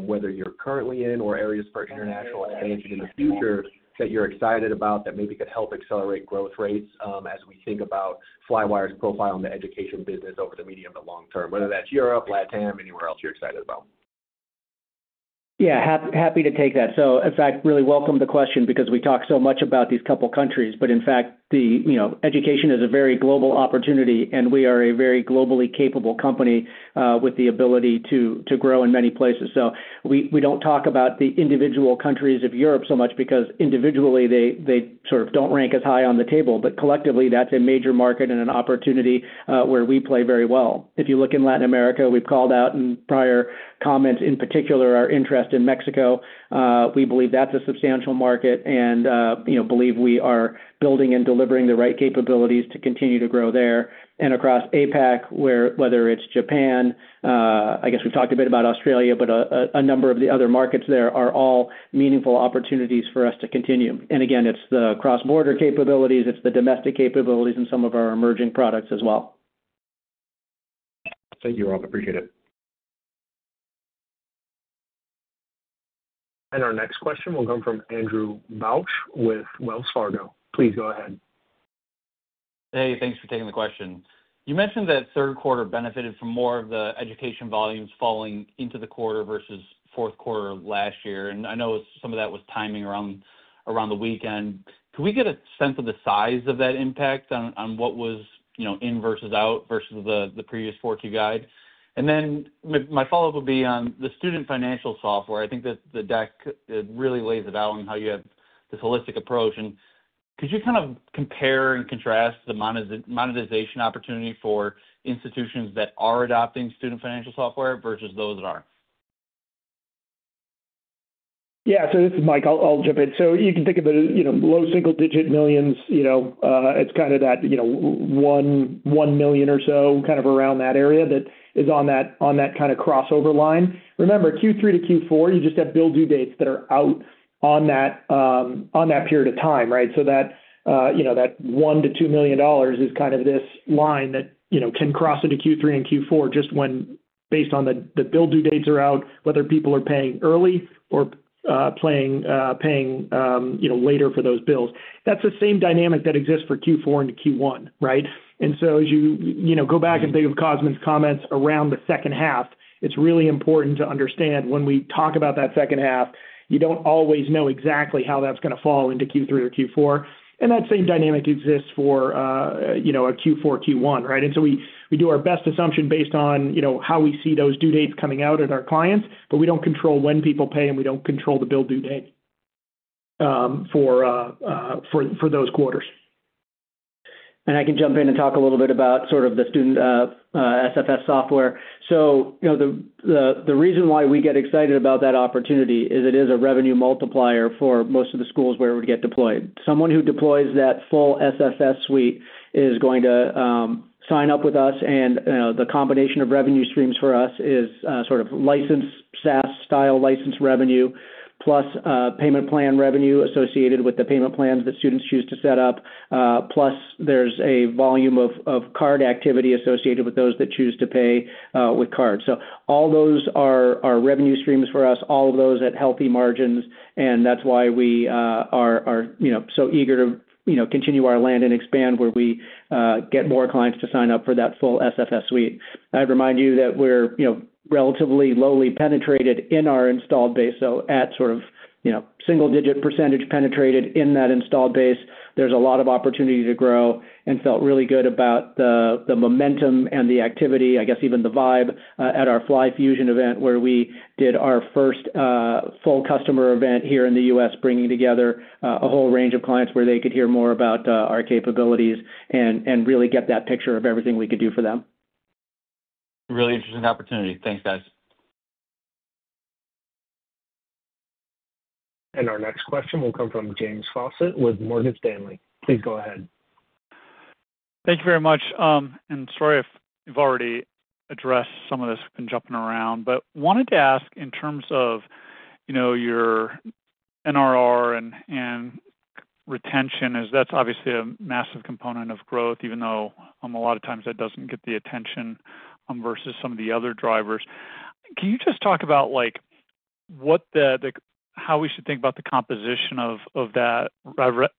whether you're currently in or areas for international expansion in the future that you're excited about that maybe could help accelerate growth rates as we think about Flywire's profile in the education business over the medium to long term, whether that's Europe, LATAM, anywhere else you're excited about. Yeah, happy to take that. So in fact, really welcome the question because we talk so much about these couple of countries. But in fact, education is a very global opportunity, and we are a very globally capable company with the ability to grow in many places. So we don't talk about the individual countries of Europe so much because individually they sort of don't rank as high on the table. But collectively, that's a major market and an opportunity where we play very well. If you look in Latin America, we've called out in prior comments in particular our interest in Mexico. We believe that's a substantial market and believe we are building and delivering the right capabilities to continue to grow there. And across APAC, whether it's Japan, I guess we've talked a bit about Australia, but a number of the other markets there are all meaningful opportunities for us to continue. And again, it's the cross-border capabilities, it's the domestic capabilities, and some of our emerging products as well. Thank you, Rob. Appreciate it. And our next question will come from Andrew Bauch with Wells Fargo. Please go ahead. Hey, thanks for taking the question. You mentioned that third quarter benefited from more of the education volumes falling into the quarter versus fourth quarter last year. And I know some of that was timing around the weekend. Could we get a sense of the size of that impact on what was in versus out versus the previous four-Q guide? And then my follow-up would be on the student financial software. I think that the deck really lays it out on how you have this holistic approach, and could you kind of compare and contrast the monetization opportunity for institutions that are adopting student financial software versus those that aren't? Yeah, so this is Mike. I'll jump in. So you can think of it as low single-digit millions. It's kind of that one million or so kind of around that area that is on that kind of crossover line. Remember, Q3 to Q4, you just have bill due dates that are out on that period of time, right? So that $1-$2 million is kind of this line that can cross into Q3 and Q4 just when based on the bill due dates are out, whether people are paying early or paying later for those bills. That's the same dynamic that exists for Q4 into Q1, right? And so as you go back and think of Cosmin's comments around the second half, it's really important to understand when we talk about that second half, you don't always know exactly how that's going to fall into Q3 or Q4. And that same dynamic exists for a Q4, Q1, right? And so we do our best assumption based on how we see those due dates coming out at our clients, but we don't control when people pay and we don't control the bill due date for those quarters. And I can jump in and talk a little bit about sort of the student SFS software. So the reason why we get excited about that opportunity is it is a revenue multiplier for most of the schools where we get deployed. Someone who deploys that full SFS suite is going to sign up with us. And the combination of revenue streams for us is sort of licensed SaaS-style licensed revenue plus payment plan revenue associated with the payment plans that students choose to set up. Plus, there's a volume of card activity associated with those that choose to pay with card. So all those are revenue streams for us, all of those at healthy margins. And that's why we are so eager to continue our land and expand where we get more clients to sign up for that full SFS suite. I'd remind you that we're relatively low penetration in our installed base. So at sort of single-digit % penetrated in that installed base, there's a lot of opportunity to grow and felt really good about the momentum and the activity, I guess even the vibe at our FlyFusion event where we did our first full customer event here in the U.S., bringing together a whole range of clients where they could hear more about our capabilities and really get that picture of everything we could do for them. Really interesting opportunity. Thanks, guys. And our next question will come from James Faucette with Morgan Stanley. Please go ahead. Thank you very much. And sorry if you've already addressed some of this and jumping around, but wanted to ask in terms of your NRR and retention, as that's obviously a massive component of growth, even though a lot of times that doesn't get the attention versus some of the other drivers. Can you just talk about how we should think about the composition of that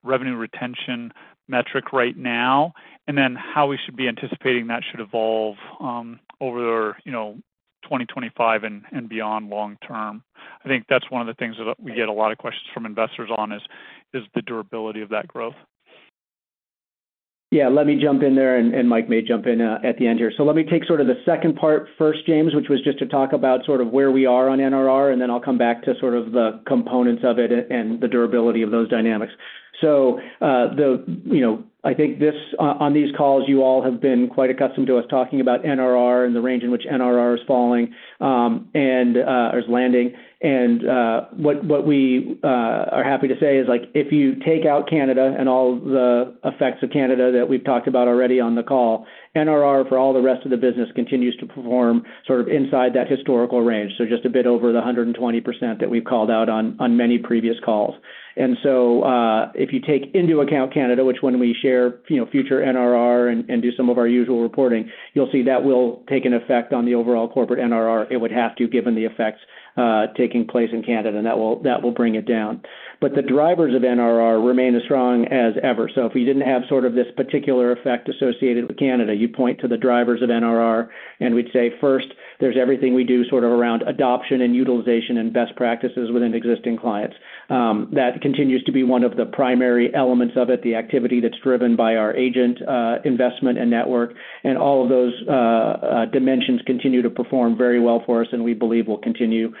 revenue retention metric right now, and then how we should be anticipating that should evolve over 2025 and beyond long term? I think that's one of the things that we get a lot of questions from investors on is the durability of that growth. Yeah, let me jump in there, and Mike may jump in at the end here. So let me take sort of the second part first, James, which was just to talk about sort of where we are on NRR, and then I'll come back to sort of the components of it and the durability of those dynamics. So I think on these calls, you all have been quite accustomed to us talking about NRR and the range in which NRR is falling and is landing. What we are happy to say is if you take out Canada and all the effects of Canada that we've talked about already on the call, NRR for all the rest of the business continues to perform sort of inside that historical range, so just a bit over the 120% that we've called out on many previous calls. If you take into account Canada, which when we share future NRR and do some of our usual reporting, you'll see that will take an effect on the overall corporate NRR. It would have to, given the effects taking place in Canada, and that will bring it down. The drivers of NRR remain as strong as ever. So if we didn't have sort of this particular effect associated with Canada, you'd point to the drivers of NRR, and we'd say first, there's everything we do sort of around adoption and utilization and best practices within existing clients. That continues to be one of the primary elements of it, the activity that's driven by our agent investment and network. And all of those dimensions continue to perform very well for us, and we believe will continue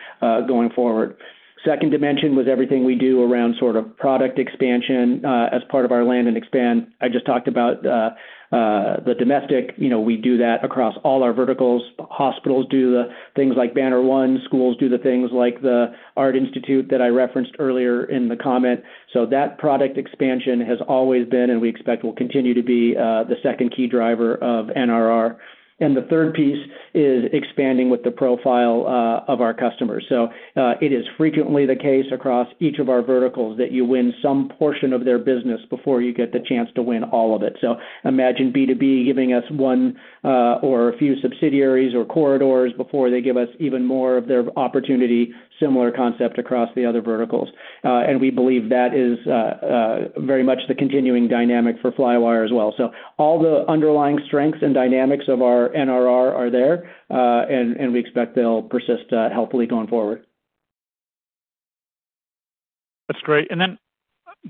going forward. Second dimension was everything we do around sort of product expansion as part of our land and expand. I just talked about the domestic. We do that across all our verticals. Hospitals do the things like Banner One. Schools do the things like the Art Institute that I referenced earlier in the comment. So that product expansion has always been, and we expect will continue to be the second key driver of NRR. And the third piece is expanding with the profile of our customers. So it is frequently the case across each of our verticals that you win some portion of their business before you get the chance to win all of it. So imagine B2B giving us one or a few subsidiaries or corridors before they give us even more of their opportunity, similar concept across the other verticals. And we believe that is very much the continuing dynamic for Flywire as well. So all the underlying strengths and dynamics of our NRR are there, and we expect they'll persist helpfully going forward. That's great. And then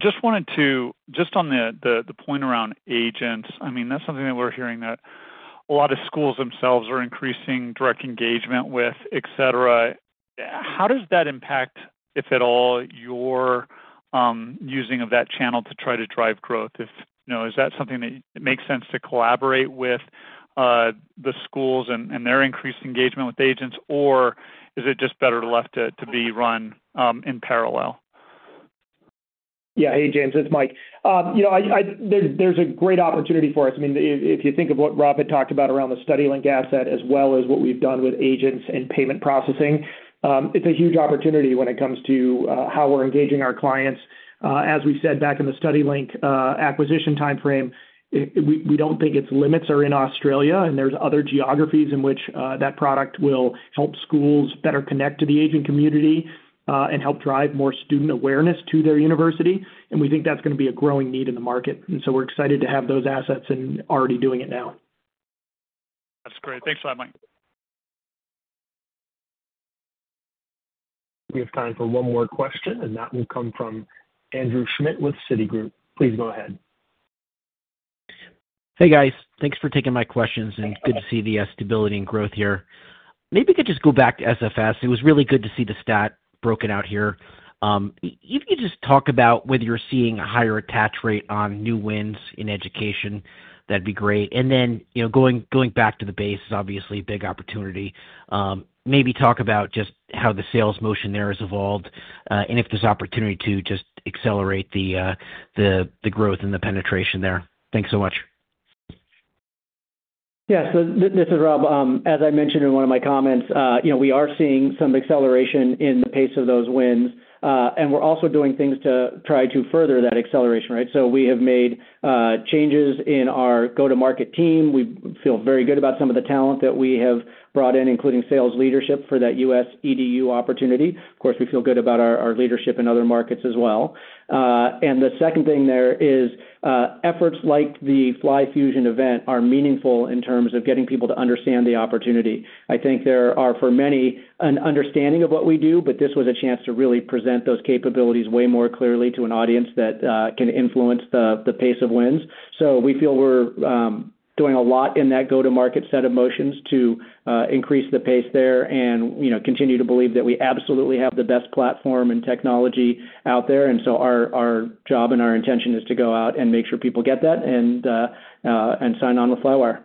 just wanted to just on the point around agents, I mean, that's something that we're hearing that a lot of schools themselves are increasing direct engagement with, etc. How does that impact, if at all, your using of that channel to try to drive growth? Is that something that makes sense to collaborate with the schools and their increased engagement with agents, or is it just better left to be run in parallel? Yeah. Hey, James, it's Mike. There's a great opportunity for us. I mean, if you think of what Rob had talked about around the StudyLink asset as well as what we've done with agents and payment processing, it's a huge opportunity when it comes to how we're engaging our clients. As we said back in the StudyLink acquisition timeframe, we don't think its limits are in Australia, and there's other geographies in which that product will help schools better connect to the agent community and help drive more student awareness to their university. And we think that's going to be a growing need in the market. And so we're excited to have those assets and already doing it now. That's great. Thanks for that, Mike. We have time for one more question, and that will come from Andrew Schmidt with Citigroup. Please go ahead. Hey, guys. Thanks for taking my questions, and good to see the stability and growth here. Maybe we could just go back to SFS. It was really good to see the stat broken out here. If you could just talk about whether you're seeing a higher attach rate on new wins in education, that'd be great. And then going back to the base is obviously a big opportunity. Maybe talk about just how the sales motion there has evolved and if there's opportunity to just accelerate the growth and the penetration there. Thanks so much. Yeah. So this is Rob. As I mentioned in one of my comments, we are seeing some acceleration in the pace of those wins. And we're also doing things to try to further that acceleration, right? So we have made changes in our go-to-market team. We feel very good about some of the talent that we have brought in, including sales leadership for that U.S. EDU opportunity. Of course, we feel good about our leadership in other markets as well. And the second thing there is efforts like the FlyFusion event are meaningful in terms of getting people to understand the opportunity. I think there are, for many, an understanding of what we do, but this was a chance to really present those capabilities way more clearly to an audience that can influence the pace of wins. So we feel we're doing a lot in that go-to-market set of motions to increase the pace there and continue to believe that we absolutely have the best platform and technology out there. And so our job and our intention is to go out and make sure people get that and sign on with Flywire.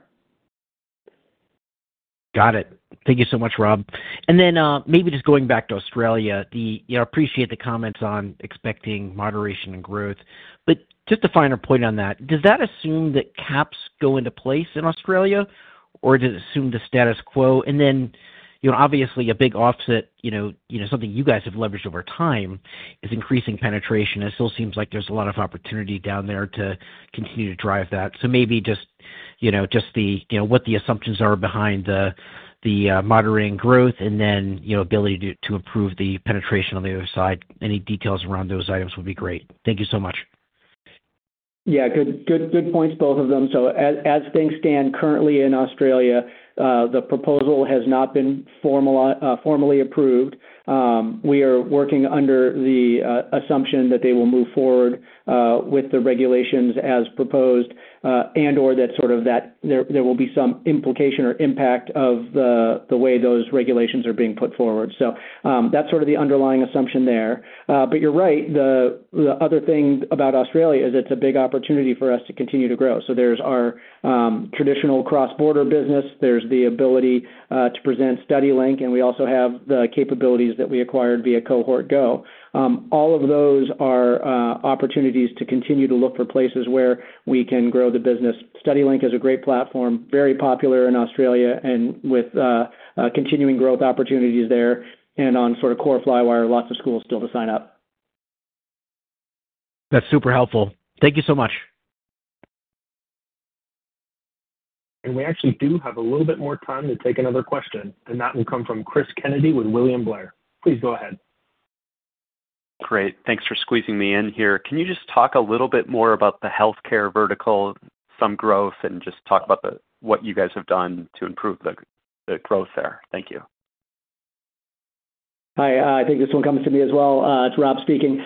Got it. Thank you so much, Rob. And then maybe just going back to Australia, I appreciate the comments on expecting moderation and growth. But just a finer point on that, does that assume that caps go into place in Australia, or does it assume the status quo? And then obviously, a big offset, something you guys have leveraged over time, is increasing penetration. It still seems like there's a lot of opportunity down there to continue to drive that. So maybe just what the assumptions are behind the moderating growth and then ability to improve the penetration on the other side. Any details around those items would be great. Thank you so much. Yeah. Good points, both of them. So as things stand currently in Australia, the proposal has not been formally approved. We are working under the assumption that they will move forward with the regulations as proposed and/or that sort of there will be some implication or impact of the way those regulations are being put forward. So that's sort of the underlying assumption there. But you're right. The other thing about Australia is it's a big opportunity for us to continue to grow. So there's our traditional cross-border business. There's the ability to present StudyLink, and we also have the capabilities that we acquired via Cohort Go. All of those are opportunities to continue to look for places where we can grow the business. StudyLink is a great platform, very popular in Australia and with continuing growth opportunities there. And on sort of core Flywire, lots of schools still to sign up. That's super helpful. Thank you so much. And we actually do have a little bit more time to take another question. And that will come from Chris Kennedy with William Blair. Please go ahead. Great. Thanks for squeezing me in here. Can you just talk a little bit more about the healthcare vertical, some growth, and just talk about what you guys have done to improve the growth there? Thank you. Hi. I think this one comes to me as well. It's Rob speaking.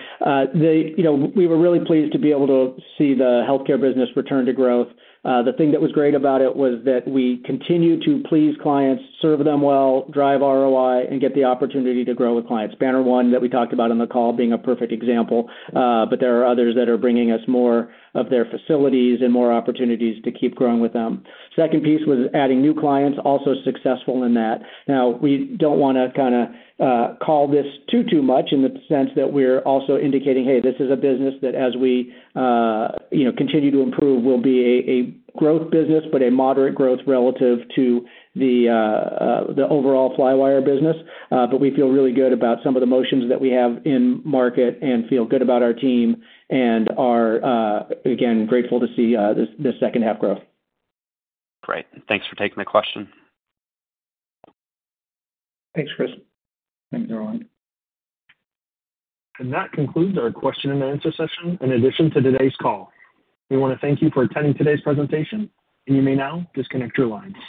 We were really pleased to be able to see the healthcare business return to growth. The thing that was great about it was that we continue to please clients, serve them well, drive ROI, and get the opportunity to grow with clients. Banner One that we talked about on the call being a perfect example, but there are others that are bringing us more of their facilities and more opportunities to keep growing with them. Second piece was adding new clients, also successful in that. Now, we don't want to kind of call this too, too much in the sense that we're also indicating, "Hey, this is a business that as we continue to improve will be a growth business, but a moderate growth relative to the overall Flywire business." But we feel really good about some of the motions that we have in market and feel good about our team and are, again, grateful to see this second-half growth. Great. Thanks for taking the question. Thanks, Chris. Thanks, everyone. And that concludes our question and answer session. In addition to today's call, we want to thank you for attending today's presentation, and you may now disconnect your lines.